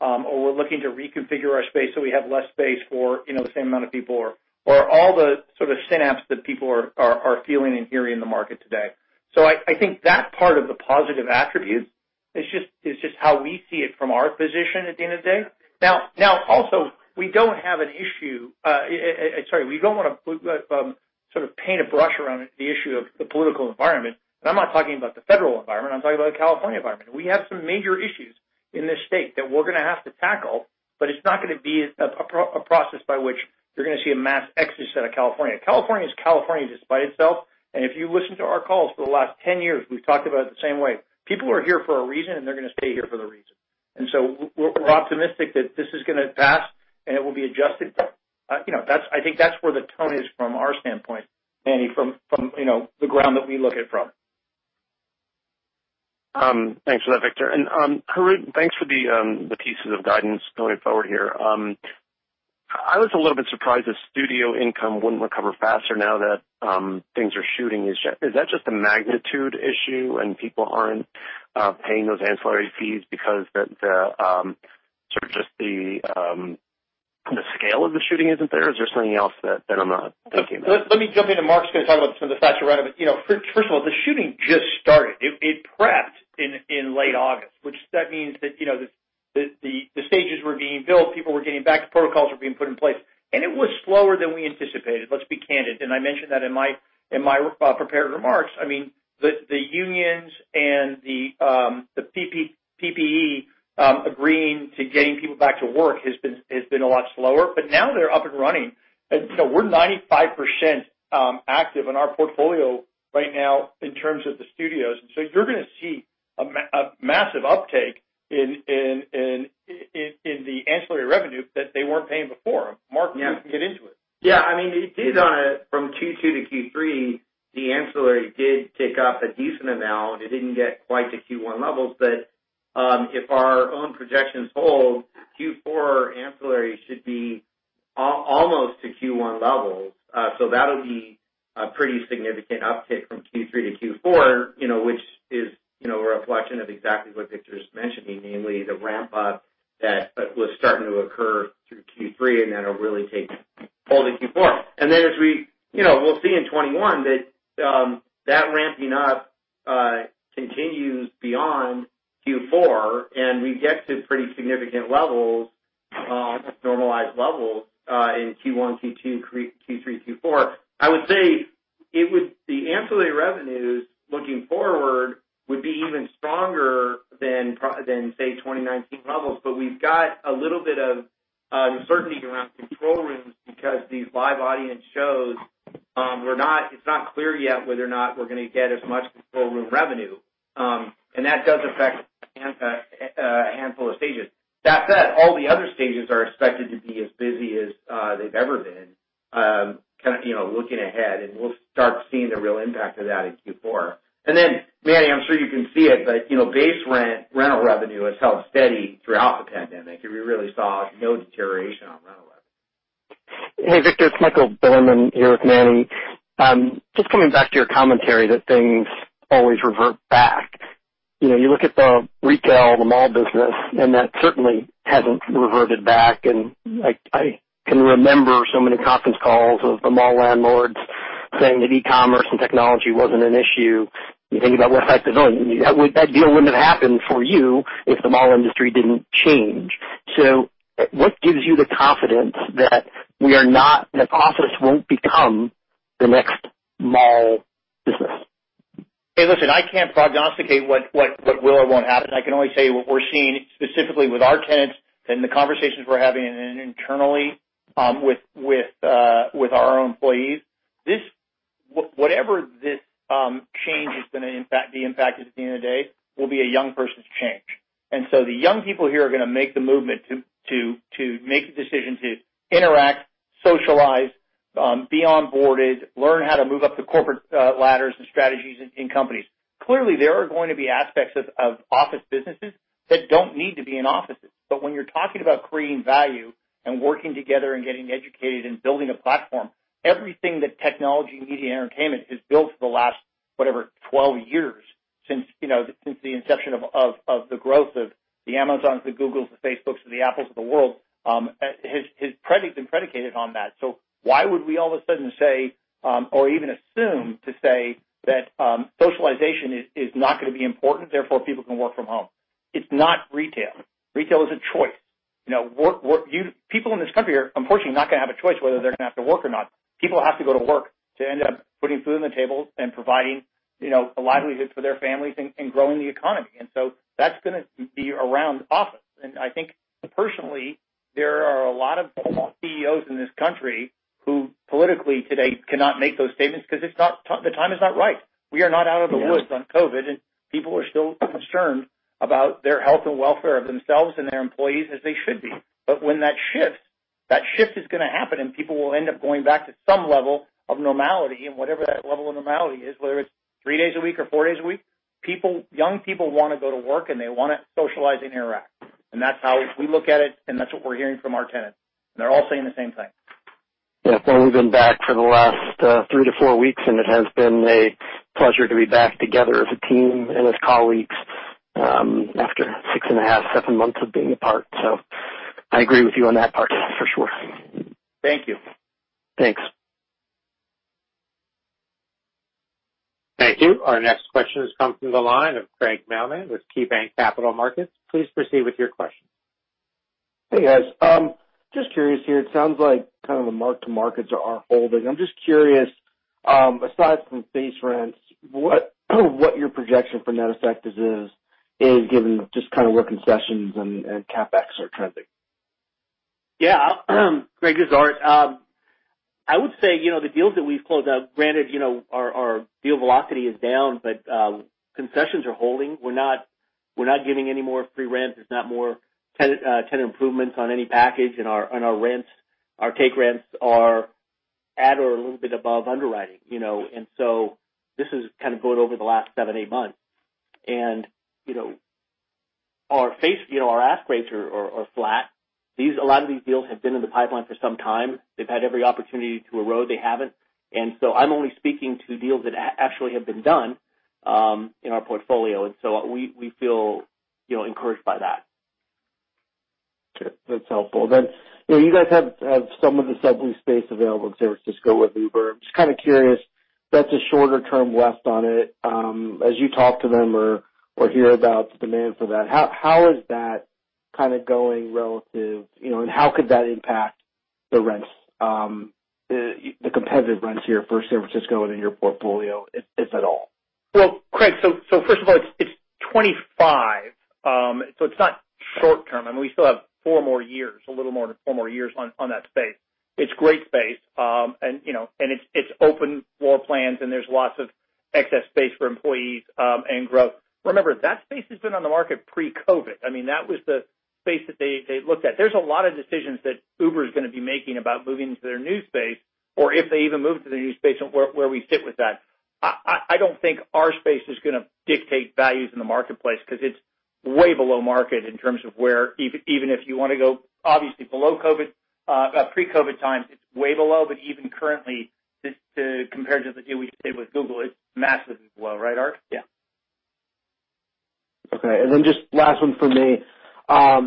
or, "We're looking to reconfigure our space so we have less space for the same amount of people," or all the sort of cynicism that people are feeling and hearing in the market today. I think that's part of the positive attribute. It's just how we see it from our position at the end of the day. We don't have an issue. Sorry, we don't want to sort of paint a brush around the issue of the political environment. I'm not talking about the federal environment, I'm talking about the California environment. We have some major issues in this state that we're going to have to tackle, it's not going to be a process by which you're going to see a mass exodus out of California. California is California despite itself. If you listen to our calls for the last 10 years, we've talked about it the same way. People are here for a reason, and they're going to stay here for the reason. We're optimistic that this is going to pass, and it will be adjusted. I think that's where the tone is from our standpoint, Manny, from the ground that we look at it from. Thanks for that, Victor. Harout, thanks for the pieces of guidance going forward here. I was a little bit surprised that studio income wouldn't recover faster now that things are shooting. Is that just a magnitude issue when people aren't paying those ancillary fees because sort of just the scale of the shooting isn't there? Is there something else that I'm not thinking about? Let me jump in, and Mark's going to talk about some of the facts around it. First of all, the shooting just started. It prepped in late August, which that means that the stages were being built, people were getting back, protocols were being put in place. It was slower than we anticipated. Let's be candid. I mentioned that in my prepared remarks. The unions and the PPE agreeing to getting people back to work has been a lot slower. Now they're up and running. So we're 95% active in our portfolio right now in terms of the studios. So you're going to see a massive uptake in the ancillary revenue that they weren't paying before. Mark- Yeah. You can get into it. Yeah. From Q2 to Q3, the ancillary did tick up a decent amount. It didn't get quite to Q1 levels. If our own projections hold, Q4 ancillary should be almost to Q1 levels. That'll be a pretty significant uptick from Q3 to Q4 which is a reflection of exactly what Victor's mentioning, namely the ramp-up that was starting to occur through Q3, and that'll really take hold in Q4. As we'll see in 2021, that ramping up continues beyond Q4, and we get to pretty significant levels, normalized levels, in Q1, Q2, Q3, Q4. I would say the ancillary revenues looking forward would be even stronger than, say, 2019 levels. We've got a little bit of uncertainty around control rooms because these live audience shows, it's not clear yet whether or not we're going to get as much control room revenue. That does affect a handful of stages. That said, all the other stages are expected to be as busy as they've ever been looking ahead, and we'll start seeing the real impact of that in Q4. Manny, I'm sure you can see it, but base rental revenue has held steady throughout the pandemic. We really saw no deterioration on rental revenue. Hey, Victor, it's Michael Bilerman here with Manny. Just coming back to your commentary that things always revert back. You look at the retail, the mall business, that certainly hasn't reverted back. I can remember so many conference calls of the mall landlords saying that e-commerce and technology wasn't an issue. You think about what effect it's on. That deal wouldn't have happened for you if the mall industry didn't change. What gives you the confidence that office won't become the next mall business. I can't prognosticate what will or won't happen. I can only say what we're seeing specifically with our tenants and the conversations we're having internally with our own employees. Whatever this change is going to be impacted at the end of the day will be a young person's change. The young people here are going to make the movement to make the decision to interact, socialize, be onboarded, learn how to move up the corporate ladders and strategies in companies. Clearly, there are going to be aspects of office businesses that don't need to be in offices. When you're talking about creating value and working together and getting educated and building a platform, everything that technology, media, and entertainment has built for the last whatever, 12 years, since the inception of the growth of the Amazons, the Googles, the Facebooks, and the Apples of the world, has been predicated on that. Why would we all of a sudden say, or even assume to say that socialization is not going to be important, therefore people can work from home? It's not retail. Retail is a choice. People in this country are unfortunately not going to have a choice whether they're going to have to work or not. People have to go to work to end up putting food on the table and providing a livelihood for their families and growing the economy. That's going to be around office. I think personally, there are a lot of CEOs in this country who politically today cannot make those statements because the time is not right. We are not out of the woods on COVID, and people are still concerned about their health and welfare of themselves and their employees as they should be. When that shifts, that shift is going to happen and people will end up going back to some level of normality and whatever that level of normality is, whether it's three days a week or four days a week. Young people want to go to work and they want to socialize and interact. That's how we look at it, and that's what we're hearing from our tenants. They're all saying the same thing. Yeah. We've been back for the last three to four weeks, and it has been a pleasure to be back together as a team and as colleagues after six and a half, seven months of being apart. I agree with you on that part for sure. Thank you. Thanks. Thank you. Our next question has come from the line of Craig Mailman with KeyBanc Capital Markets. Please proceed with your question. Hey, guys. Just curious here, it sounds like the mark to markets are holding. I am just curious, aside from base rents, what your projection for net effect is given just where concessions and CapEx are trending. Yeah. Craig, this is Art. I would say, the deals that we've closed, granted, our deal velocity is down, but concessions are holding. We're not giving any more free rent. There's not more tenant improvements on any package on our rents. Our take rents are at or a little bit above underwriting. This is going over the last seven, eight months. Our ask rates are flat. A lot of these deals have been in the pipeline for some time. They've had every opportunity to erode, they haven't. I'm only speaking to deals that actually have been done in our portfolio. We feel encouraged by that. Okay. That's helpful. You guys have some of the sublease space available in San Francisco with Uber. Just kind of curious, that's a shorter-term lease on it. As you talk to them or hear about the demand for that, how is that going relative, and how could that impact the competitive rents here for San Francisco and in your portfolio, if at all? Well, Craig, first of all, it's 25. It's not short-term. We still have four more years, a little more than four more years on that space. It's great space. It's open floor plans, and there's lots of excess space for employees and growth. Remember, that space has been on the market pre-COVID. That was the space that they looked at. There's a lot of decisions that Uber is going to be making about moving into their new space, or if they even move to their new space and where we fit with that. I don't think our space is going to dictate values in the marketplace because it's way below market in terms of where, even if you want to go, obviously pre-COVID times, it's way below. Even currently, compared to the deal we just did with Google, it's massively below. Right, Art? Yeah. Okay. Just last one from me.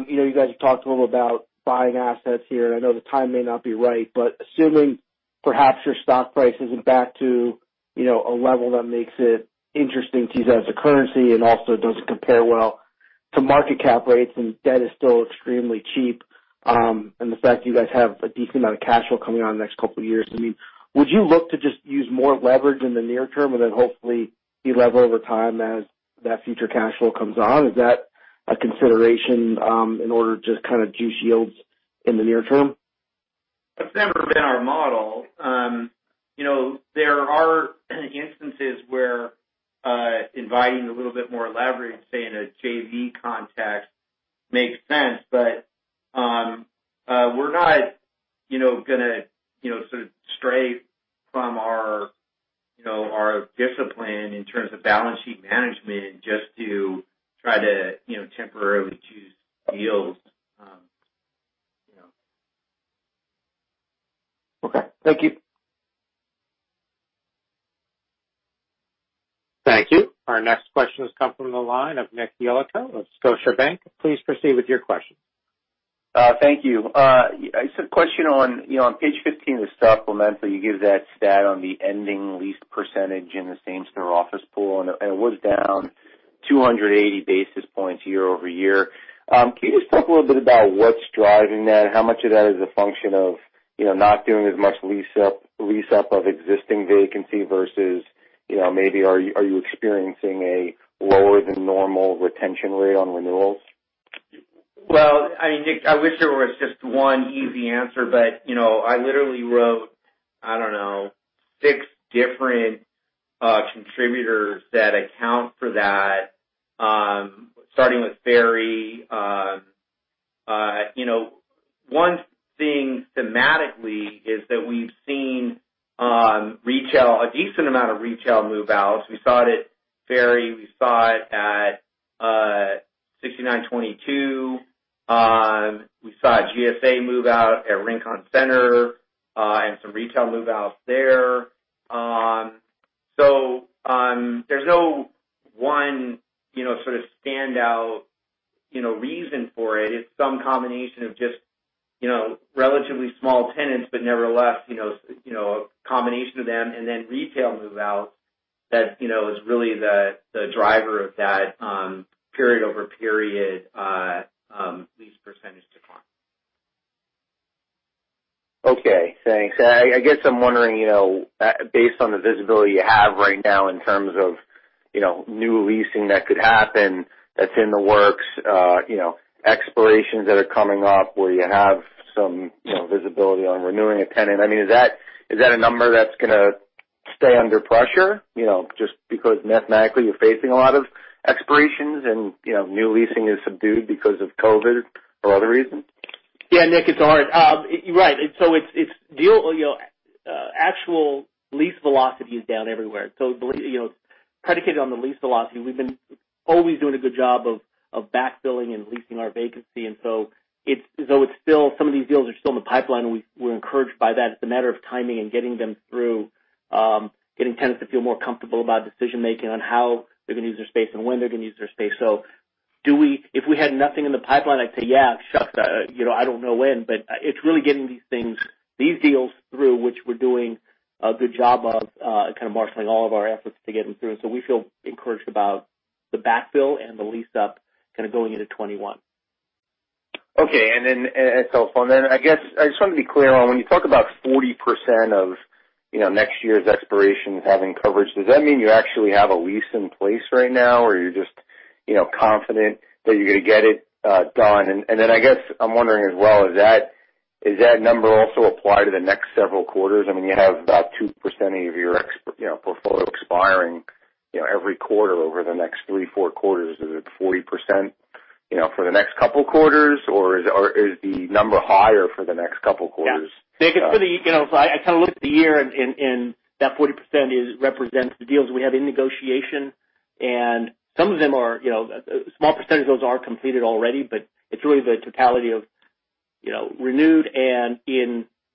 You guys have talked a little about buying assets here, I know the time may not be right, assuming perhaps your stock price isn't back to a level that makes it interesting to use as a currency and also doesn't compare well to market cap rates and debt is still extremely cheap, the fact that you guys have a decent amount of cash flow coming on in the next couple of years, would you look to just use more leverage in the near term and then hopefully de-leverage over time as that future cash flow comes on? Is that a consideration in order to just kind of juice yields in the near term? That's never been our model. There are instances where inviting a little bit more leverage, say in a JV context, makes sense. We're not going to stray from our discipline in terms of balance sheet management just to try to temporarily juice yields. Okay. Thank you. Thank you. Our next question has come from the line of Nick Yulico of Scotiabank. Please proceed with your question. Thank you. I just have a question on page 15 of the supplemental, you give that stat on the ending leased percentage in the same-store office pool, and it was down 280 basis points year-over-year. Can you just talk a little bit about what's driving that? How much of that is a function of not doing as much lease-up of existing vacancy versus maybe are you experiencing a lower than normal retention rate on renewals? Well, Nick, I wish there was just one easy answer, but I literally wrote, I don't know, six different contributors that account for that, starting with Ferry. One thing thematically is that we've seen a decent amount of retail move-outs. We saw it at Ferry. We saw it at 6922. We saw a GSA move-out at Rincon Center, and some retail move-outs there. There's no one sort of standout reason for it. It's some combination of just relatively small tenants, but nevertheless, a combination of them and then retail move-outs that is really the driver of that period-over-period lease % decline. Okay, thanks. I guess I'm wondering, based on the visibility you have right now in terms of new leasing that could happen that's in the works, expirations that are coming up where you have some visibility on renewing a tenant, is that a number that's going to stay under pressure just because mathematically you're facing a lot of expirations and new leasing is subdued because of COVID for other reasons? Yeah, Nick, it's Art. You're right. Actual lease velocity is down everywhere. Predicated on the lease velocity, we've been always doing a good job of backfilling and leasing our vacancy, some of these deals are still in the pipeline, we're encouraged by that. It's a matter of timing and getting them through, getting tenants to feel more comfortable about decision-making on how they're going to use their space and when they're going to use their space. If we had nothing in the pipeline, I'd say, yeah, shucks, I don't know when, it's really getting these deals through, which we're doing a good job of kind of marshaling all of our efforts to get them through. We feel encouraged about the backfill and the lease-up kind of going into 2021. Okay. I guess I just want to be clear on when you talk about 40% of next year's expirations having coverage, does that mean you actually have a lease in place right now or you're just confident that you're going to get it done? I guess I'm wondering as well, is that number also applied to the next several quarters? You have about 2% of your portfolio expiring every quarter over the next three, four quarters. Is it 40% for the next couple of quarters, or is the number higher for the next couple of quarters? Yeah. Nick, if I kind of look at the year, that 40% represents the deals we have in negotiation. A small percentage of those are completed already. It's really the totality of renewed and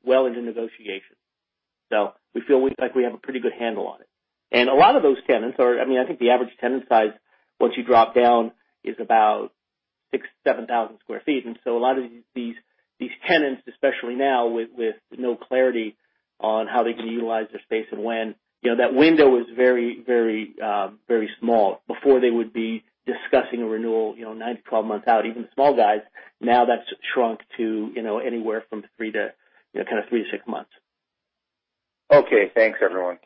well into negotiation. We feel like we have a pretty good handle on it. A lot of those tenants, I think the average tenant size, once you drop down, is about 6,000, 7,000 sq ft. A lot of these tenants, especially now with no clarity on how they can utilize their space and when, that window is very small. Before they would be discussing a renewal 9-12 months out, even small guys. Now that's shrunk to anywhere from kind of three to six months. Okay. Thanks, everyone.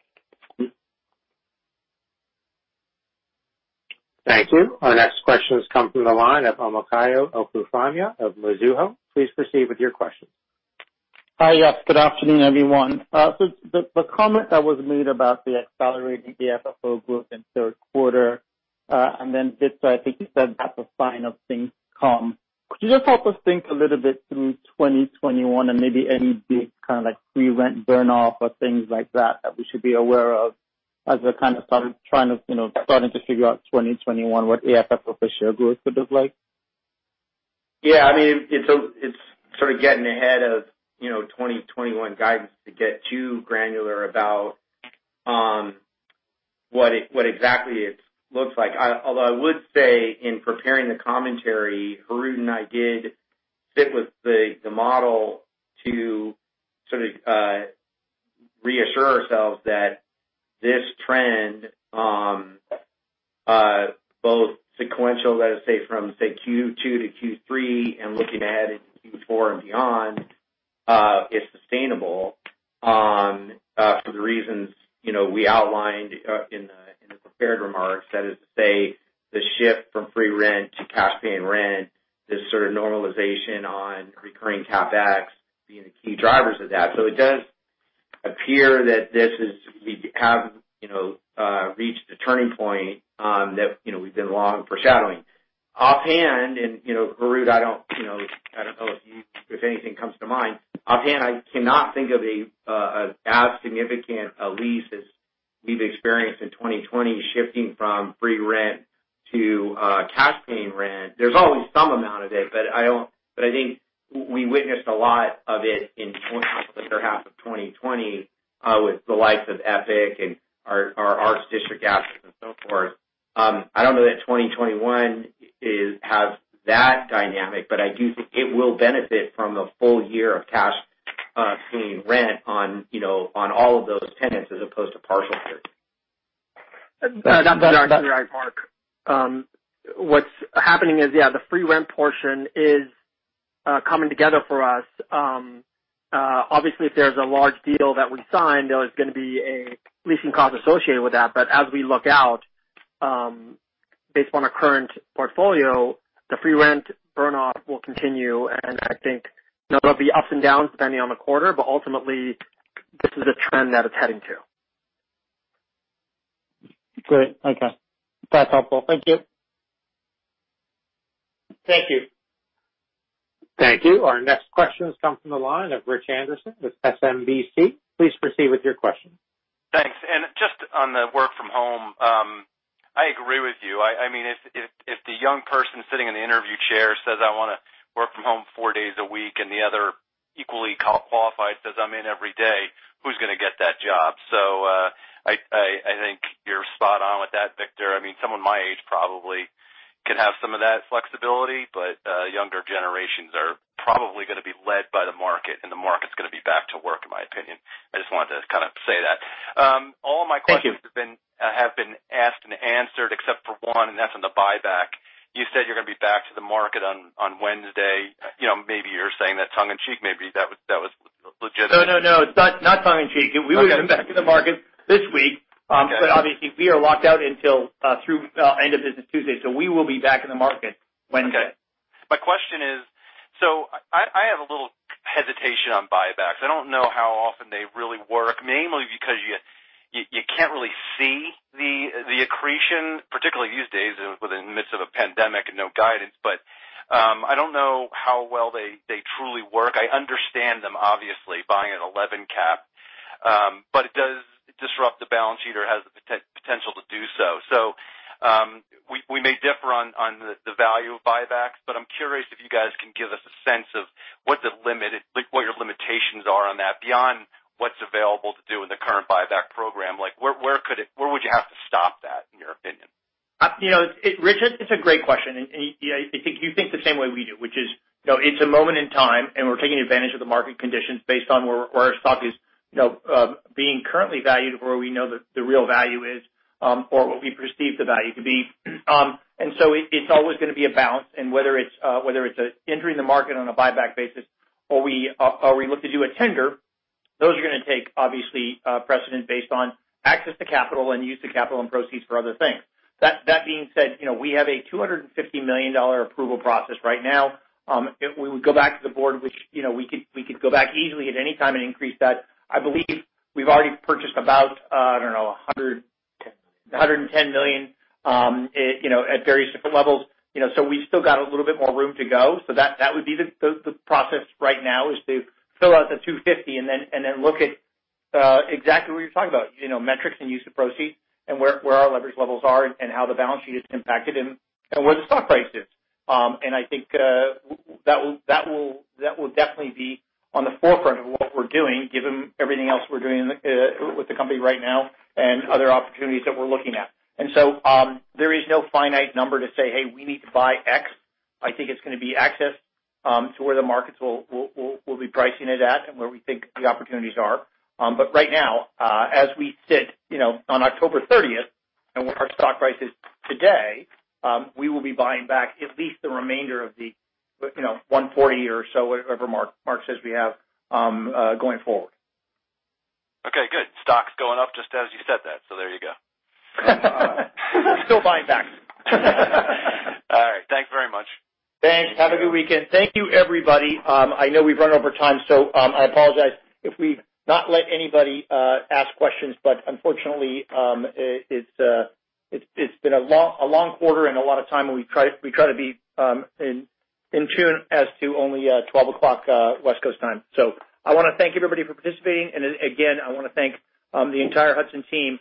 Thank you. Our next question has come from the line of Omotayo Okusanya of Mizuho. Please proceed with your question. Hi. Yes, good afternoon, everyone. The comment that was made about accelerating the FFO growth in the third quarter, and then, Victor, I think you said that's a sign of things to come. Could you just help us think a little bit through 2021 and maybe any big kind of like free rent burn-off or things like that that we should be aware of as we're kind of starting to figure out 2021, what AFFO or FFO share growth could look like? Yeah. It's sort of getting ahead of 2021 guidance to get too granular about what exactly it looks like. Although I would say in preparing the commentary, Harout and I did sit with the model to sort of reassure ourselves that this trend, both sequential, let us say from say Q2 to Q3 and looking ahead into Q4 and beyond, is sustainable for the reasons we outlined in the prepared remarks. That is to say, the shift from free rent to cash paying rent, this sort of normalization on recurring CapEx being the key drivers of that. It does appear that we have reached the turning point that we've been long foreshadowing. Offhand, Harout, I don't know if anything comes to mind. Offhand, I cannot think of as significant a lease as we've experienced in 2020 shifting from free rent to cash paying rent. There's always some amount of it, but I think we witnessed a lot of it in the second half of 2020 with the likes of EPIC and our Arts District assets and so forth. I don't know that 2021 has that dynamic, but I do think it will benefit from a full year of cash paying rent on all of those tenants as opposed to partial years. That's right, Mark. What's happening is, yeah, the free rent portion is coming together for us. Obviously if there's a large deal that we sign, there is going to be a leasing cost associated with that. As we look out, based on our current portfolio, the free rent burn off will continue and I think there'll be ups and downs depending on the quarter, but ultimately this is a trend that it's heading to. Great. Okay. That's helpful. Thank you. Thank you. Thank you. Our next question comes from the line of Rich Anderson with SMBC. Please proceed with your question. Thanks. Just on the work from home, I agree with you. If the young person sitting in the interview chair says, "I want to work from home four days a week," and the other equally qualified says, "I'm in every day," who's going to get that job? I think you're spot on with that, Victor. Someone my age probably could have some of that flexibility, but younger generations are probably going to be led by the market, and the market's going to be back to work in my opinion. I just wanted to kind of say that. Thank you. All my questions have been asked and answered except for one. That's on the buyback. You said you're going to be back to the market on Wednesday. Maybe you're saying that tongue in cheek. Maybe that was legitimate. No, it's not tongue in cheek. Okay. We will be back in the market this week. Okay. Obviously we are locked out until through end of business Tuesday, so we will be back in the market Wednesday. Okay. My question is, I have a little hesitation on buybacks. I don't know how often they really work, mainly because you can't really see the accretion, particularly these days within the midst of a pandemic and no guidance. I don't know how well they truly work. I understand them obviously buying an 11 cap. It does disrupt the balance sheet or has the potential to do so. We may differ on the value of buybacks, but I'm curious if you guys can give us a sense of what your limitations are on that beyond what's available to do in the current buyback program. Where would you have to stop that in your opinion? Rich, it's a great question, and you think the same way we do, which is, it's a moment in time and we're taking advantage of the market conditions based on where our stock is being currently valued or where we know the real value is or what we perceive the value to be. So it's always going to be a balance and whether it's entering the market on a buyback basis or we look to do a tender, those are going to take obviously precedent based on access to capital and use of capital and proceeds for other things. That being said, we have a $250 million approval process right now. If we would go back to the board, which we could go back easily at any time and increase that. I believe we've already purchased about, I don't know, $110 million at various different levels. We've still got a little bit more room to go. That would be the process right now is to fill out the $250 million and then look at exactly what you're talking about, metrics and use of proceeds and where our leverage levels are and how the balance sheet is impacted and where the stock price is. I think that will definitely be on the forefront of what we're doing given everything else we're doing with the company right now and other opportunities that we're looking at. There is no finite number to say, "Hey, we need to buy X." I think it's going to be access to where the markets will be pricing it at and where we think the opportunities are. Right now as we sit on October 30th and where our stock price is today we will be buying back at least the remainder of the 140 or so, whatever Mark says we have going forward. Okay, good. Stock's going up just as you said that, so there you go. We're still buying back. All right. Thanks very much. Thanks. Have a good weekend. Thank you everybody. I know we've run over time, so I apologize if we've not let anybody ask questions, but unfortunately it's been a long quarter and a lot of time, and we try to be in tune as to only 12 o'clock West Coast time. I want to thank everybody for participating, and again, I want to thank the entire Hudson team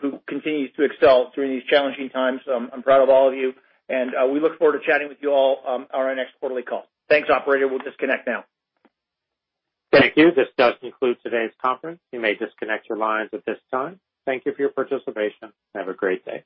who continues to excel during these challenging times. I'm proud of all of you and we look forward to chatting with you all on our next quarterly call. Thanks operator. We'll disconnect now. Thank you. This does conclude today's conference. You may disconnect your lines at this time. Thank you for your participation and have a great day.